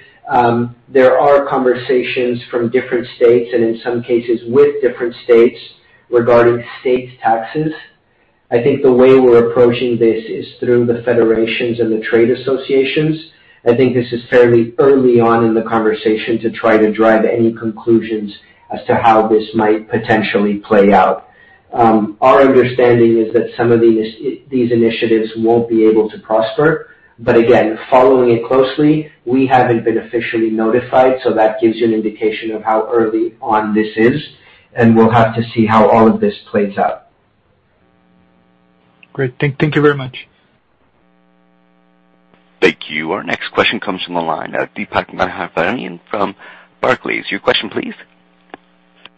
there are conversations from different states and in some cases with different states regarding state taxes. I think the way we're approaching this is through the federations and the trade associations. I think this is fairly early on in the conversation to try to drive any conclusions as to how this might potentially play out. Our understanding is that some of these initiatives won't be able to prosper. Again, following it closely, we haven't been officially notified, so that gives you an indication of how early on this is, and we'll have to see how all of this plays out. Great. Thank you very much. Thank you. Our next question comes from the line of Deepak Mathivanan from Barclays. Your question, please.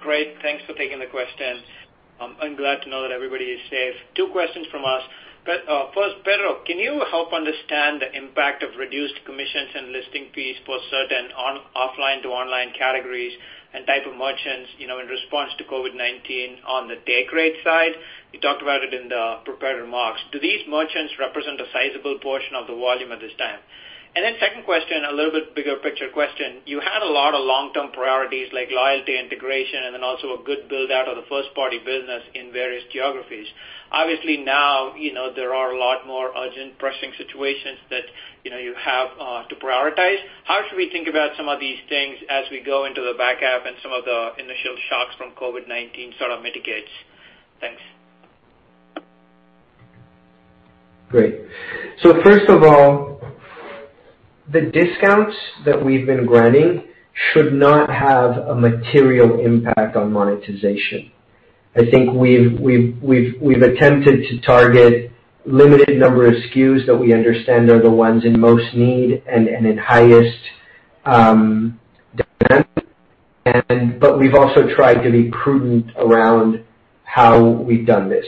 Great. Thanks for taking the questions. I'm glad to know that everybody is safe. Two questions from us. First, Pedro, can you help understand the impact of reduced commissions and listing fees for certain offline to online categories and type of merchants in response to COVID-19 on the take rate side? You talked about it in the prepared remarks. Do these merchants represent a sizable portion of the volume at this time? Second question, a little bit bigger picture question. You had a lot of long-term priorities like loyalty integration and then also a good build-out of the first-party business in various geographies. Obviously, now, there are a lot more urgent, pressing situations that you have to prioritize. How should we think about some of these things as we go into the back half and some of the initial shocks from COVID-19 sort of mitigates? Thanks. Great. First of all, the discounts that we've been granting should not have a material impact on monetization. I think we've attempted to target limited number of SKUs that we understand are the ones in most need and in highest demand. We've also tried to be prudent around how we've done this.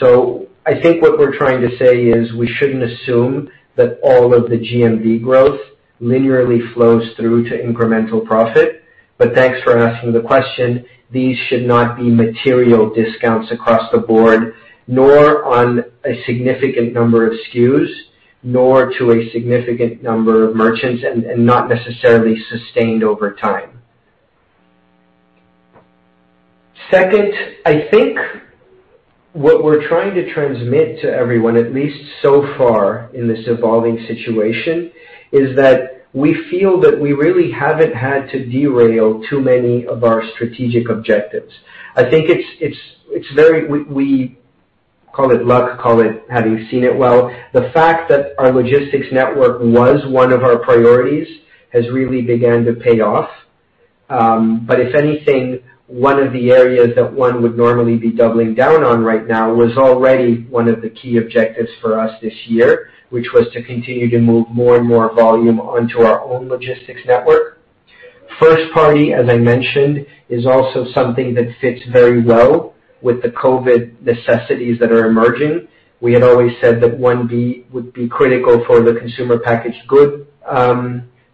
I think what we're trying to say is we shouldn't assume that all of the GMV growth linearly flows through to incremental profit. Thanks for asking the question. These should not be material discounts across the board, nor on a significant number of SKUs, nor to a significant number of merchants and not necessarily sustained over time. Second, I think what we're trying to transmit to everyone, at least so far in this evolving situation, is that we feel that we really haven't had to derail too many of our strategic objectives. I think it's very. We call it luck, call it having seen it well. The fact that our logistics network was one of our priorities has really began to pay off. If anything, one of the areas that one would normally be doubling down on right now was already one of the key objectives for us this year, which was to continue to move more and more volume onto our own logistics network. First party, as I mentioned, is also something that fits very well with the COVID necessities that are emerging. We have always said that 1P would be critical for the consumer packaged good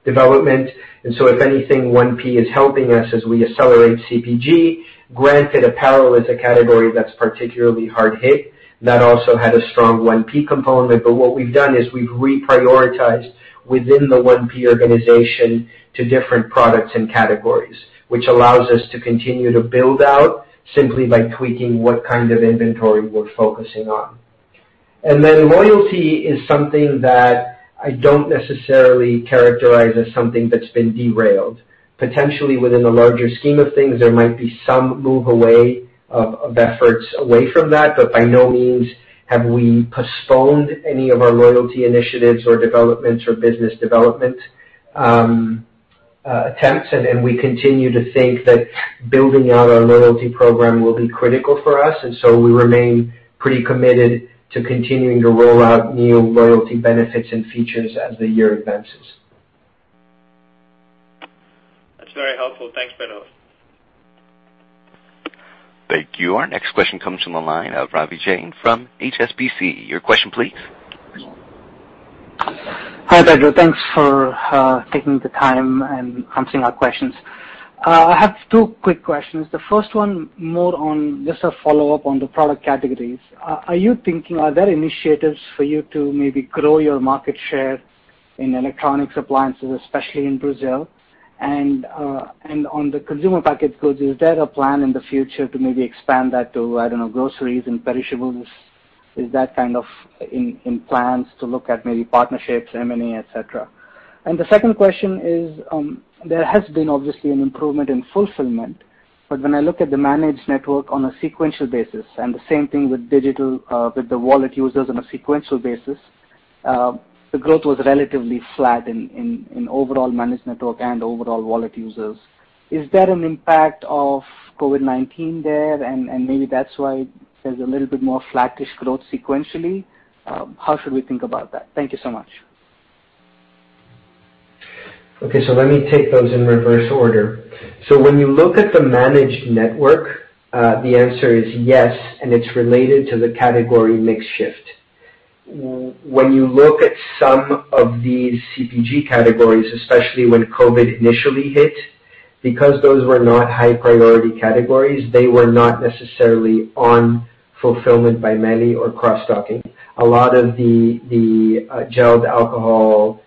development. If anything, 1P is helping us as we accelerate CPG. Granted, apparel is a category that's particularly hard hit. That also had a strong 1P component. What we've done is we've reprioritized within the 1P organization to different products and categories, which allows us to continue to build out simply by tweaking what kind of inventory we're focusing on. Then loyalty is something that I don't necessarily characterize as something that's been derailed. Potentially within the larger scheme of things, there might be some move of efforts away from that. By no means have we postponed any of our loyalty initiatives or developments or business development attempts. We continue to think that building out our loyalty program will be critical for us. So we remain pretty committed to continuing to roll out new loyalty benefits and features as the year advances. That's very helpful. Thanks, Pedro. Thank you. Our next question comes from the line of Ravi Jain from HSBC. Your question please. Hi, Pedro. Thanks for taking the time and answering our questions. I have two quick questions. The first one, more on a follow-up on the product categories. Are there initiatives for you to maybe grow your market share in electronics, appliances, especially in Brazil? On the consumer packaged goods, is there a plan in the future to maybe expand that to groceries and perishables? Is that in plans to look at maybe partnerships, M&A, et cetera? The second question is, there has been obviously an improvement in fulfillment. When I look at the managed network on a sequential basis, and the same thing with digital, with the wallet users on a sequential basis, the growth was relatively flat in overall managed network and overall wallet users. Is there an impact of COVID-19 there, and maybe that's why there's a little bit more flattish growth sequentially? How should we think about that? Thank you so much. Okay. Let me take those in reverse order. When you look at the managed network, the answer is yes, and it's related to the category mix shift. When you look at some of these CPG categories, especially when COVID-19 initially hit, because those were not high priority categories, they were not necessarily on fulfillment by MELI or cross-docking. A lot of the gelled alcohol,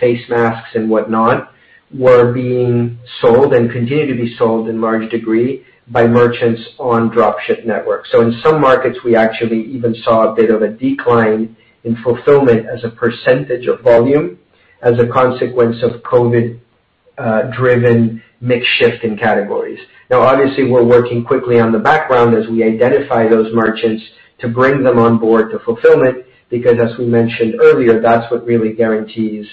face masks and whatnot, were being sold and continue to be sold in large degree by merchants on drop ship networks. In some markets, we actually even saw a bit of a decline in fulfillment as a percentage of volume as a consequence of COVID-19-driven mix shift in categories. Obviously, we're working quickly on the background as we identify those merchants to bring them on board to fulfillment, because as we mentioned earlier, that's what really guarantees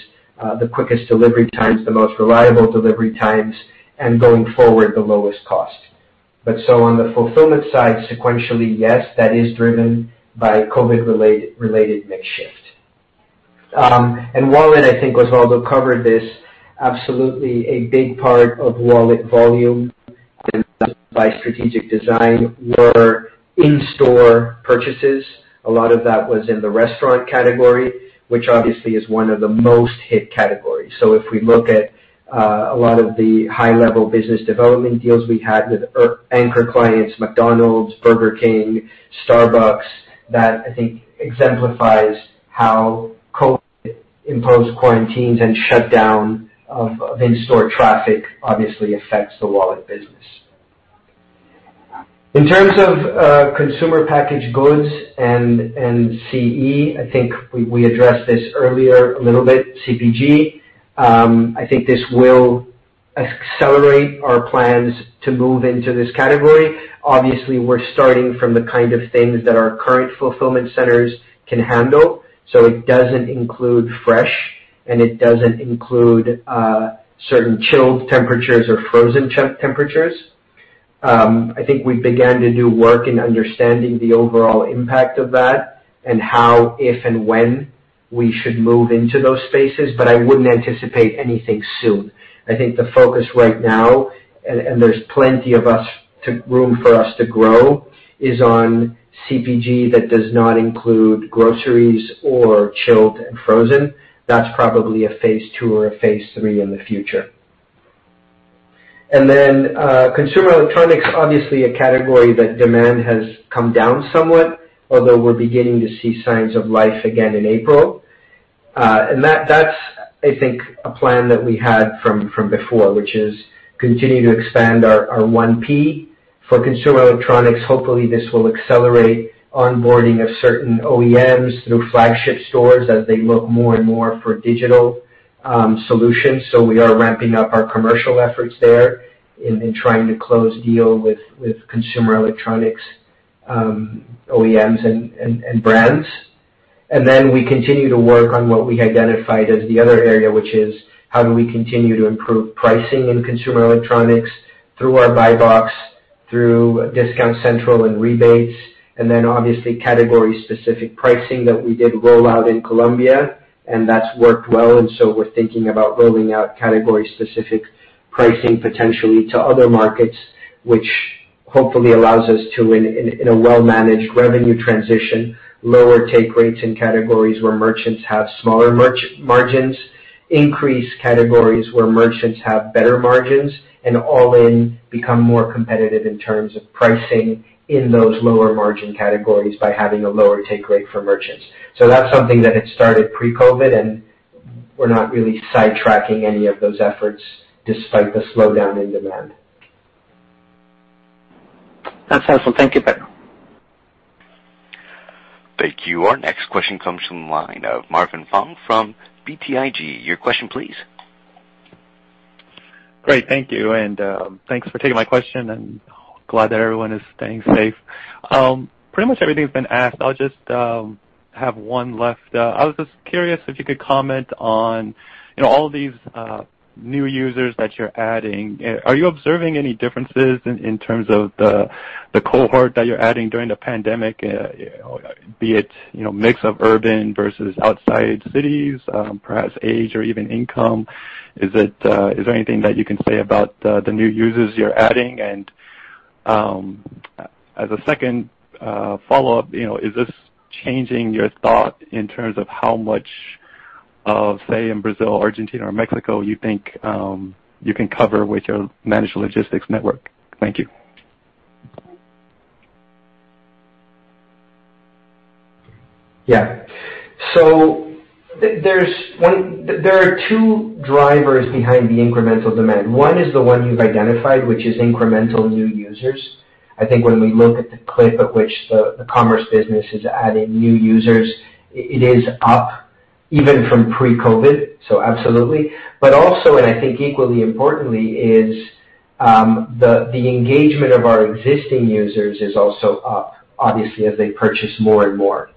the quickest delivery times, the most reliable delivery times, and going forward, the lowest cost. On the fulfillment side, sequentially, yes, that is driven by COVID-related mix shift. Wallet, I think Osvaldo covered this. Absolutely a big part of wallet volume by strategic design were in-store purchases. A lot of that was in the restaurant category, which obviously is one of the most hit categories. If we look at a lot of the high-level business development deals we had with anchor clients, McDonald's, Burger King, Starbucks, that I think exemplifies how COVID-imposed quarantines and shutdown of in-store traffic obviously affects the wallet business. In terms of consumer packaged goods and CE, I think we addressed this earlier a little bit, CPG. I think this will accelerate our plans to move into this category. Obviously, we're starting from the kind of things that our current fulfillment centers can handle. It doesn't include fresh, and it doesn't include certain chilled temperatures or frozen temperatures. I think we began to do work in understanding the overall impact of that and how, if, and when we should move into those spaces, but I wouldn't anticipate anything soon. I think the focus right now, and there's plenty of room for us to grow, is on CPG that does not include groceries or chilled and frozen. That's probably a phase II or a phase III in the future. Consumer electronics, obviously a category that demand has come down somewhat, although we're beginning to see signs of life again in April. That's, I think, a plan that we had from before, which is continue to expand our 1P. For consumer electronics, hopefully, this will accelerate onboarding of certain OEMs through flagship stores as they look more and more for digital solutions. We are ramping up our commercial efforts there in trying to close deal with consumer electronics, OEMs, and brands. We continue to work on what we identified as the other area, which is how do we continue to improve pricing in consumer electronics through our Buy Box, through Discount Central and rebates, and then obviously category-specific pricing that we did roll out in Colombia and that's worked well. We're thinking about rolling out category-specific pricing potentially to other markets, which hopefully allows us to, in a well-managed revenue transition, lower take rates in categories where merchants have smaller margins, increase categories where merchants have better margins, and all-in become more competitive in terms of pricing in those lower margin categories by having a lower take rate for merchants. That's something that had started pre-COVID-19, and we're not really sidetracking any of those efforts despite the slowdown in demand. That's helpful. Thank you, Pedro. Thank you. Our next question comes from the line of Marvin Fong from BTIG. Your question, please. Great. Thank you, and thanks for taking my question, and glad that everyone is staying safe. Pretty much everything's been asked. I'll just have one left. I was just curious if you could comment on all these new users that you're adding. Are you observing any differences in terms of the cohort that you're adding during the pandemic? Be it, mix of urban versus outside cities, perhaps age or even income. Is there anything that you can say about the new users you're adding? As a second follow-up, is this changing your thought in terms of how much of, say, in Brazil, Argentina, or Mexico you think you can cover with your managed logistics network? Thank you. Yeah. There are two drivers behind the incremental demand. One is the one you've identified, which is incremental new users. I think when we look at the clip at which the commerce business is adding new users, it is up even from pre-COVID, so absolutely. I think equally importantly, is the engagement of our existing users is also up, obviously, as they purchase more and more.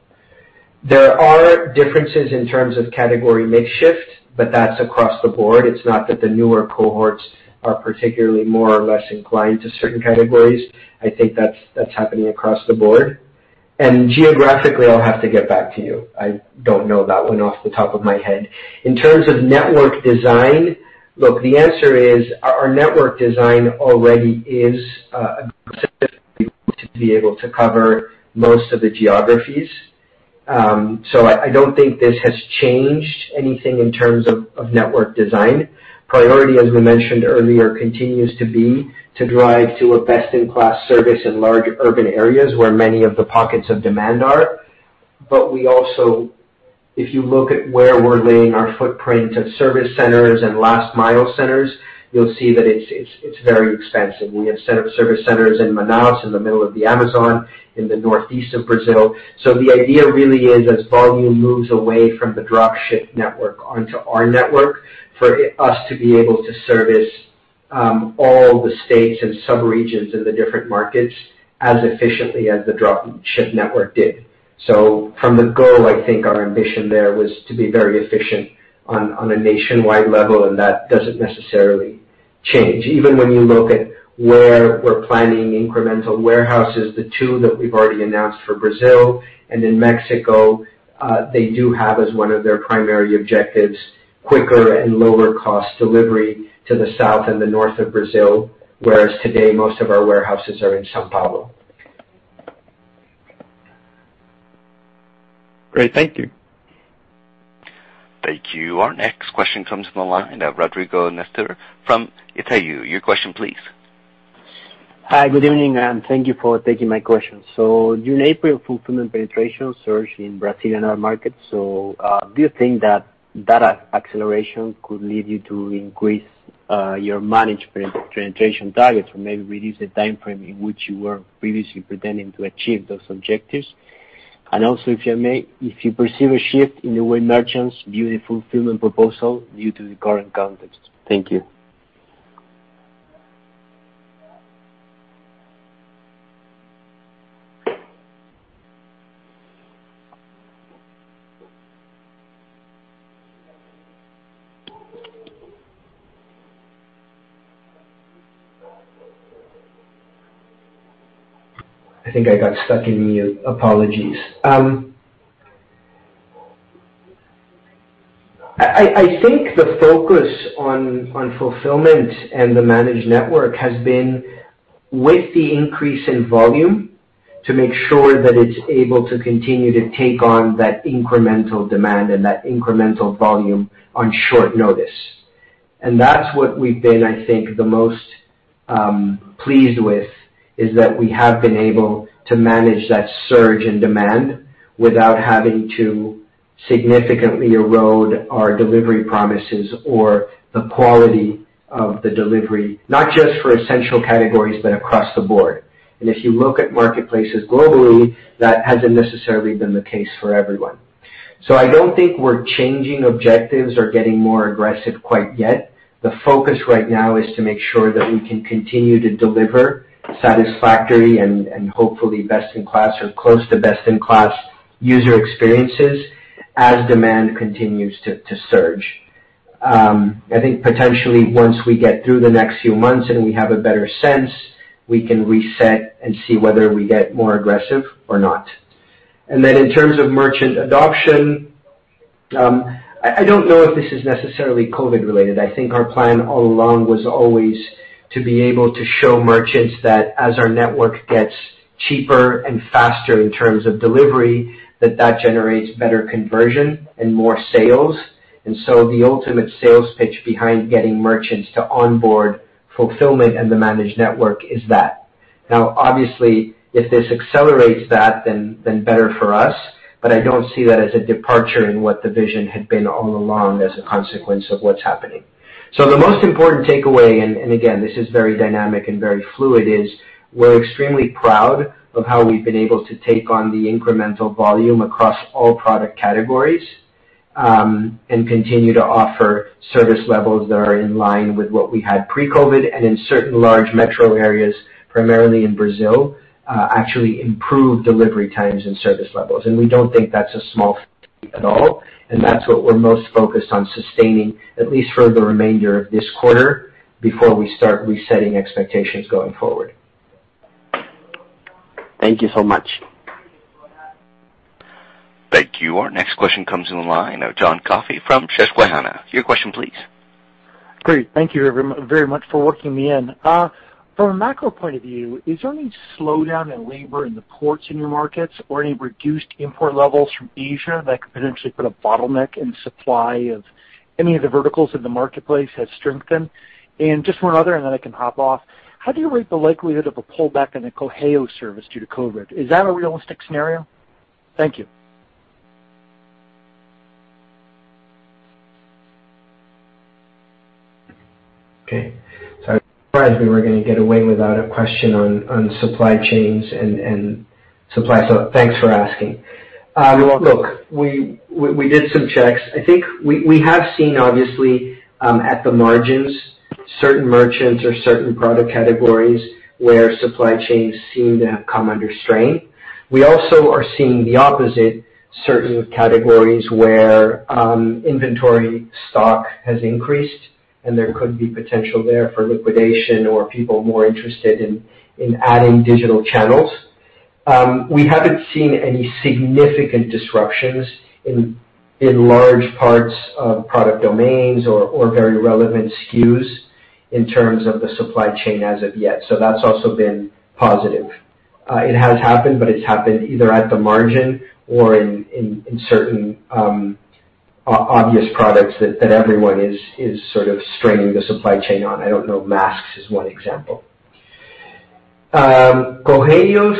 There are differences in terms of category mix shift, but that's across the board. It's not that the newer cohorts are particularly more or less inclined to certain categories. I think that's happening across the board. Geographically, I'll have to get back to you. I don't know that one off the top of my head. In terms of network design, look, the answer is, our network design already is specifically to be able to cover most of the geographies. I don't think this has changed anything in terms of network design. Priority, as we mentioned earlier, continues to be to drive to a best-in-class service in large urban areas where many of the pockets of demand are. We also, if you look at where we're laying our footprint of service centers and last-mile centers, you'll see that it's very expansive. We have set up service centers in Manaus, in the middle of the Amazon, in the northeast of Brazil. The idea really is as volume moves away from the drop ship network onto our network, for us to be able to service all the states and subregions in the different markets as efficiently as the drop ship network did. From the go, I think our ambition there was to be very efficient on a nationwide level, and that doesn't necessarily change. Even when you look at where we're planning incremental warehouses, the two that we've already announced for Brazil and in Mexico, they do have as one of their primary objectives, quicker and lower cost delivery to the south and the north of Brazil, whereas today, most of our warehouses are in São Paulo. Great. Thank you. Thank you. Our next question comes from the line of Rodrigo Nistor from Itaú. Your question, please. Hi. Good evening, and thank you for taking my question. During April, fulfillment penetration surged in Brazilian markets. Do you think that acceleration could lead you to increase your managed penetration targets or maybe reduce the timeframe in which you were previously pretending to achieve those objectives? Also, if you may, if you perceive a shift in the way merchants view the fulfillment proposal due to the current context. Thank you. I think I got stuck in mute. Apologies. I think the focus on fulfillment and the managed network has been with the increase in volume to make sure that it's able to continue to take on that incremental demand and that incremental volume on short notice. That's what we've been, I think, the most pleased with, is that we have been able to manage that surge in demand without having to significantly erode our delivery promises or the quality of the delivery, not just for essential categories, but across the board. If you look at marketplaces globally, that hasn't necessarily been the case for everyone. I don't think we're changing objectives or getting more aggressive quite yet. The focus right now is to make sure that we can continue to deliver satisfactory and hopefully best-in-class or close to best-in-class user experiences as demand continues to surge. I think potentially once we get through the next few months and we have a better sense, we can reset and see whether we get more aggressive or not. In terms of merchant adoption, I don't know if this is necessarily COVID related. I think our plan all along was always to be able to show merchants that as our network gets cheaper and faster in terms of delivery, that that generates better conversion and more sales. The ultimate sales pitch behind getting merchants to onboard fulfillment and the managed network is that. Obviously, if this accelerates that then better for us, but I don't see that as a departure in what the vision had been all along as a consequence of what's happening. The most important takeaway, and again, this is very dynamic and very fluid, is we're extremely proud of how we've been able to take on the incremental volume across all product categories, and continue to offer service levels that are in line with what we had pre-COVID and in certain large metro areas, primarily in Brazil, actually improve delivery times and service levels. We don't think that's a small feat at all, and that's what we're most focused on sustaining, at least for the remainder of this quarter before we start resetting expectations going forward. Thank you so much. Thank you. Our next question comes in the line of John Coffey from Susquehanna. Your question please. Great. Thank you very much for working me in. From a macro point of view, is there any slowdown in labor in the ports in your markets or any reduced import levels from Asia that could potentially put a bottleneck in supply of any of the verticals that the marketplace has strengthened? Just one other and then I can hop off. How do you rate the likelihood of a pullback in the Correios service due to COVID? Is that a realistic scenario? Thank you. Okay. I'm surprised we were going to get away without a question on supply chains and supply, so thanks for asking. You're welcome. Look, we did some checks. I think we have seen, obviously, at the margins, certain merchants or certain product categories where supply chains seem to have come under strain. We also are seeing the opposite, certain categories where inventory stock has increased, and there could be potential there for liquidation or people more interested in adding digital channels. We haven't seen any significant disruptions in large parts of product domains or very relevant SKUs in terms of the supply chain as of yet. That's also been positive. It has happened, but it's happened either at the margin or in certain obvious products that everyone is sort of straining the supply chain on. I don't know, masks is one example. Correios,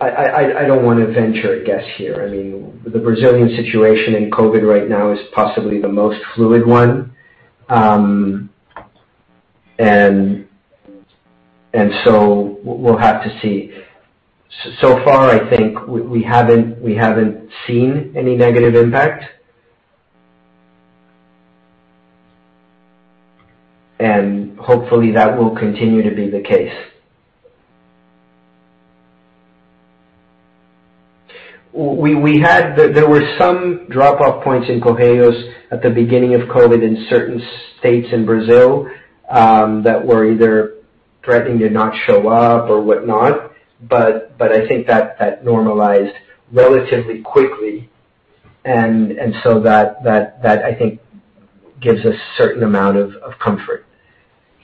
I don't want to venture a guess here. The Brazilian situation in COVID right now is possibly the most fluid one. We'll have to see. So far, I think we haven't seen any negative impact. Hopefully that will continue to be the case. There were some drop-off points in Correios at the beginning of COVID in certain states in Brazil that were either threatening to not show up or whatnot, but I think that normalized relatively quickly. That I think gives a certain amount of comfort.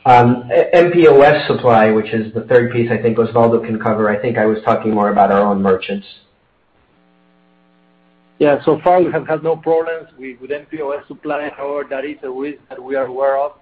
mPOS supply, which is the third piece I think Osvaldo can cover. I think I was talking more about our own merchants. So far we have had no problems with mPOS supply. However, that is a risk that we are aware of.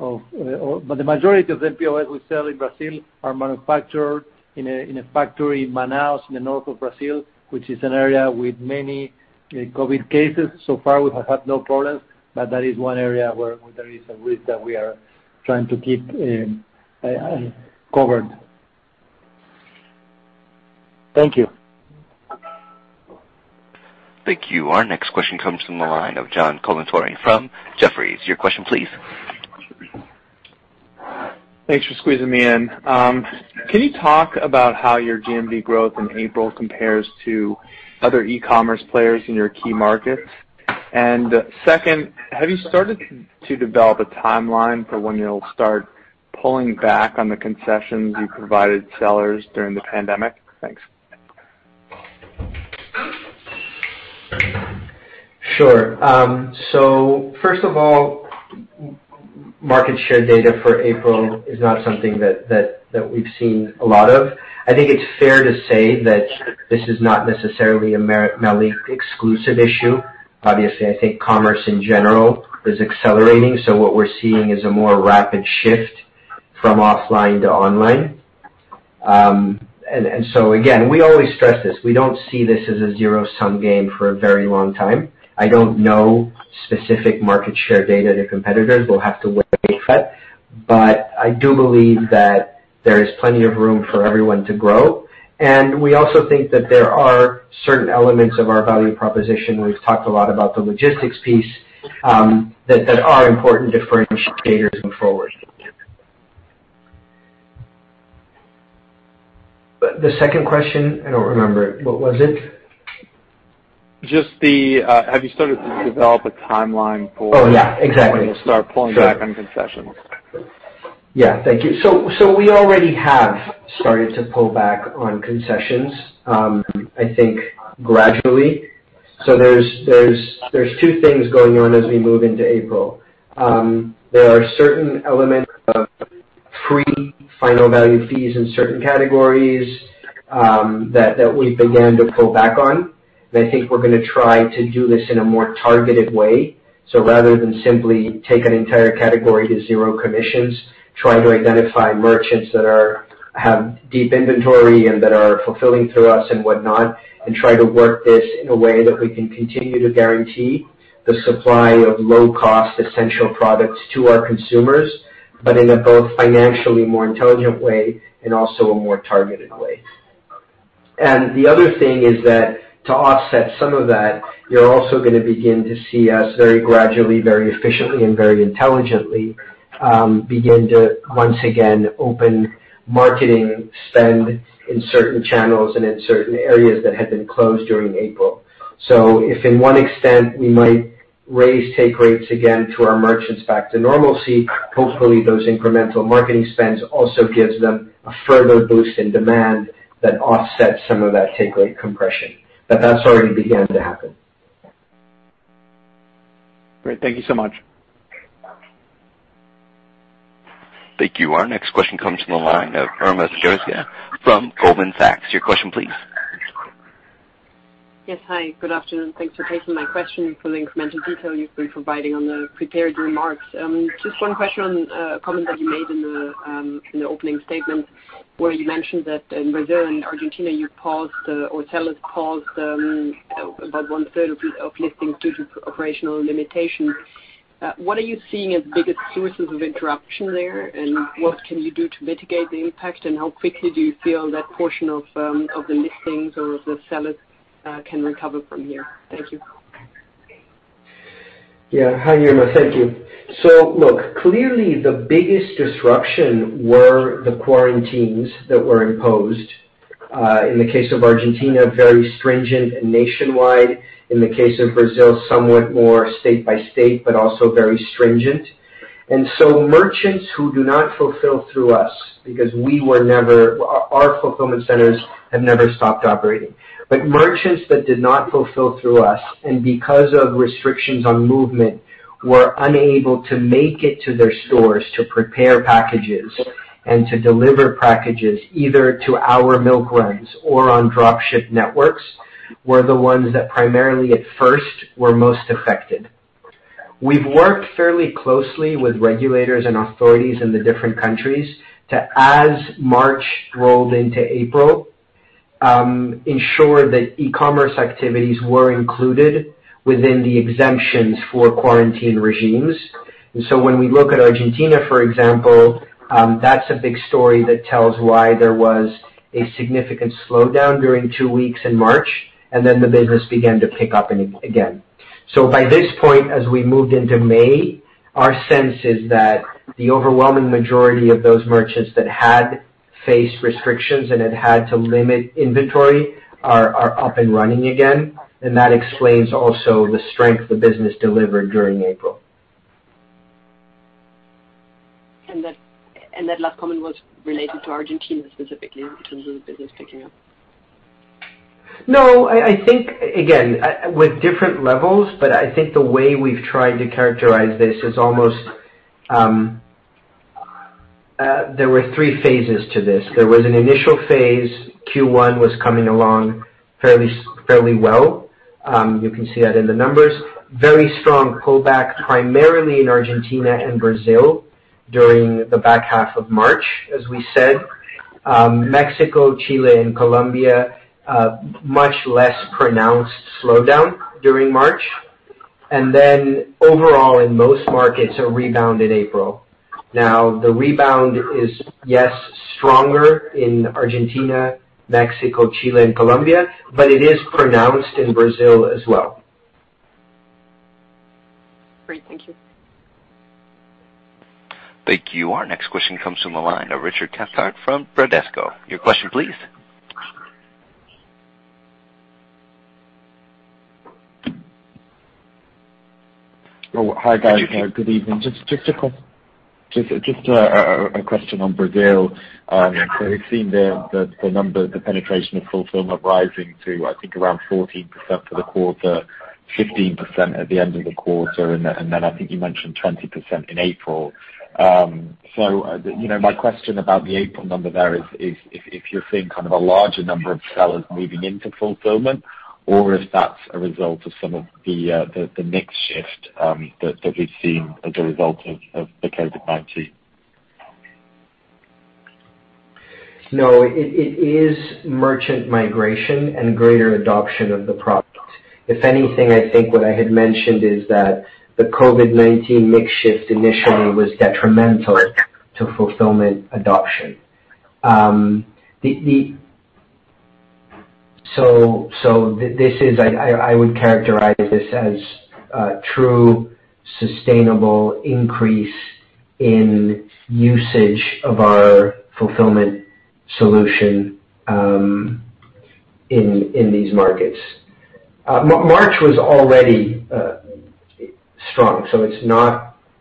The majority of mPOS we sell in Brazil are manufactured in a factory in Manaus in the north of Brazil, which is an area with many COVID cases. So far, we have had no problems, but that is one area where there is a risk that we are trying to keep covered. Thank you. Thank you. Our next question comes from the line of John Colantuoni from Jefferies. Your question, please. Thanks for squeezing me in. Can you talk about how your GMV growth in April compares to other e-commerce players in your key markets? Second, have you started to develop a timeline for when you'll start pulling back on the concessions you provided sellers during the pandemic? Thanks. Sure. First of all, market share data for April is not something that we've seen a lot of. I think it's fair to say that this is not necessarily a MercadoLibre exclusive issue. Obviously, I think commerce in general is accelerating. What we're seeing is a more rapid shift from offline to online. Again, we always stress this. We don't see this as a zero-sum game for a very long time. I don't know specific market share data to competitors. We'll have to wait for that. I do believe that there is plenty of room for everyone to grow. We also think that there are certain elements of our value proposition, we've talked a lot about the logistics piece, that are important differentiators going forward. The second question, I don't remember it. What was it? Just have you started to develop a timeline for when you'll start pulling back on concessions? Yeah. Thank you. We already have started to pull back on concessions, I think gradually. There's two things going on as we move into April. There are certain elements of free final value fees in certain categories that we've began to pull back on. I think we're going to try to do this in a more targeted way. Rather than simply take an entire category to zero commissions, try to identify merchants that have deep inventory and that are fulfilling through us and whatnot, and try to work this in a way that we can continue to guarantee the supply of low-cost, essential products to our consumers, but in a both financially more intelligent way and also a more targeted way. The other thing is that to offset some of that, you're also going to begin to see us very gradually, very efficiently, and very intelligently, begin to, once again, open marketing spend in certain channels and in certain areas that had been closed during April. If in one extent we might raise take rates again to our merchants back to normalcy, hopefully those incremental marketing spends also gives them a further boost in demand that offsets some of that take rate compression. That's already began to happen. Great. Thank you so much. Thank you. Our next question comes from the line of Irma Sgarz from Goldman Sachs. Your question, please. Yes. Hi. Good afternoon. Thanks for taking my question, for the incremental detail you've been providing on the prepared remarks. Just one question, a comment that you made in the opening statement where you mentioned that in Brazil and Argentina, you paused, or sellers paused about 1/3 of listings due to operational limitations. What are you seeing as biggest sources of interruption there, and what can you do to mitigate the impact, and how quickly do you feel that portion of the listings or the sellers can recover from here? Thank you. Yeah. Hi, Irma. Thank you. Look, clearly the biggest disruption were the quarantines that were imposed. In the case of Argentina, very stringent and nationwide. In the case of Brazil, somewhat more state by state, but also very stringent. Merchants who do not fulfill through us, because our fulfillment centers have never stopped operating. Merchants that did not fulfill through us, and because of restrictions on movement, were unable to make it to their stores to prepare packages and to deliver packages, either to our milk runs or on drop ship networks, were the ones that primarily at first were most affected. We've worked fairly closely with regulators and authorities in the different countries to, as March rolled into April, ensure that e-commerce activities were included within the exemptions for quarantine regimes. When we look at Argentina, for example, that's a big story that tells why there was a significant slowdown during two weeks in March, and then the business began to pick up again. By this point, as we moved into May, our sense is that the overwhelming majority of those merchants that had faced restrictions and had had to limit inventory are up and running again, and that explains also the strength the business delivered during April. That last comment was related to Argentina specifically in terms of business picking up? No. I think, again, with different levels, I think the way we've tried to characterize this is almost, there were three phases to this. There was an initial phase. Q1 was coming along fairly well. You can see that in the numbers. Very strong pullback primarily in Argentina and Brazil during the back half of March, as we said. Mexico, Chile, and Colombia, much less pronounced slowdown during March. Overall in most markets, a rebound in April. The rebound is, yes, stronger in Argentina, Mexico, Chile, and Colombia, it is pronounced in Brazil as well. Great. Thank you. Thank you. Our next question comes from the line of Richard Cathcart from Bradesco. Your question, please. Hi, guys. Good evening. Just a question on Brazil. We've seen the number, the penetration of fulfillment rising to, I think, around 14% for the quarter, 15% at the end of the quarter, and then I think you mentioned 20% in April. My question about the April number there is, if you're seeing kind of a larger number of sellers moving into fulfillment or if that's a result of some of the mix shift that we've seen as a result of the COVID-19? No, it is merchant migration and greater adoption of the product. If anything, I think what I had mentioned is that the COVID-19 mix shift initially was detrimental to fulfillment adoption. I would characterize this as a true, sustainable increase in usage of our fulfillment solution in these markets. March was already strong.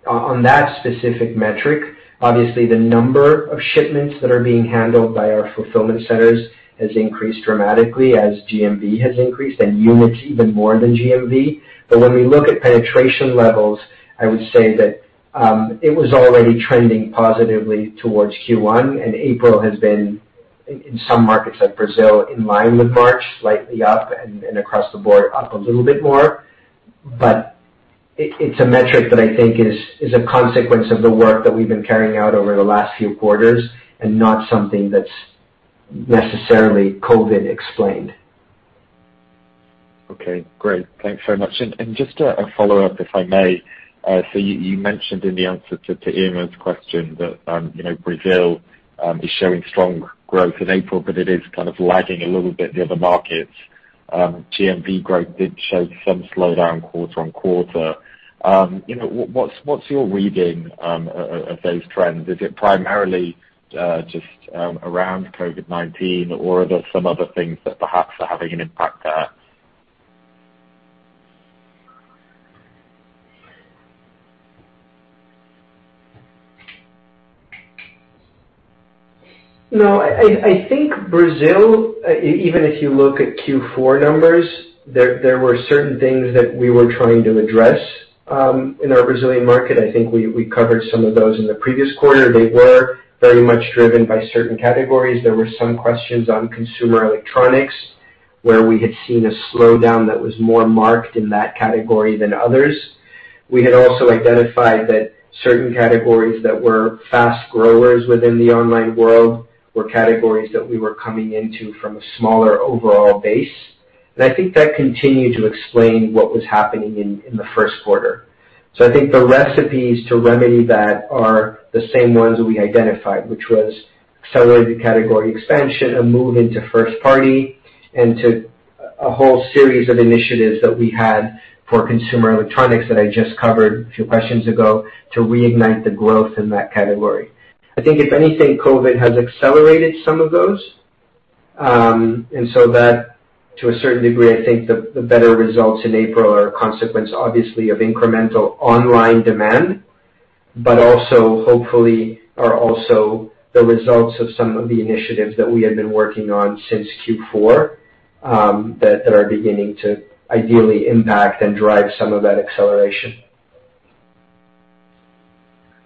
On that specific metric, obviously the number of shipments that are being handled by our fulfillment centers has increased dramatically as GMV has increased, and units even more than GMV. When we look at penetration levels, I would say that it was already trending positively towards Q1, and April has been, in some markets like Brazil, in line with March, slightly up, and across the board up a little bit more. It's a metric that I think is a consequence of the work that we've been carrying out over the last few quarters, and not something that's necessarily COVID explained. Okay, great. Thanks very much. Just a follow-up, if I may. You mentioned in the answer to Irma's question that Brazil is showing strong growth in April, but it is kind of lagging a little bit the other markets. GMV growth did show some slowdown quarter-on-quarter. What's your reading of those trends? Is it primarily just around COVID-19 or are there some other things that perhaps are having an impact there? I think Brazil, even if you look at Q4 numbers, there were certain things that we were trying to address in our Brazilian market. I think we covered some of those in the previous quarter. They were very much driven by certain categories. There were some questions on consumer electronics, where we had seen a slowdown that was more marked in that category than others. We had also identified that certain categories that were fast growers within the online world were categories that we were coming into from a smaller overall base. I think that continued to explain what was happening in the first quarter. I think the recipes to remedy that are the same ones we identified, which was accelerated category expansion, a move into first party, and to a whole series of initiatives that we had for consumer electronics that I just covered a few questions ago to reignite the growth in that category. I think if anything, COVID has accelerated some of those. That, to a certain degree, I think the better results in April are a consequence, obviously, of incremental online demand, but also hopefully are also the results of some of the initiatives that we have been working on since Q4 that are beginning to ideally impact and drive some of that acceleration.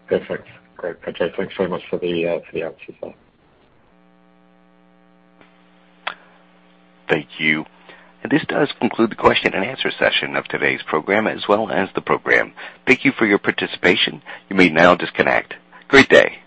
Perfect. Great. Pedro, thanks very much for the answers. Thank you. This does conclude the question-and-answer session of today's program as well as the program. Thank you for your participation. You may now disconnect. Great day.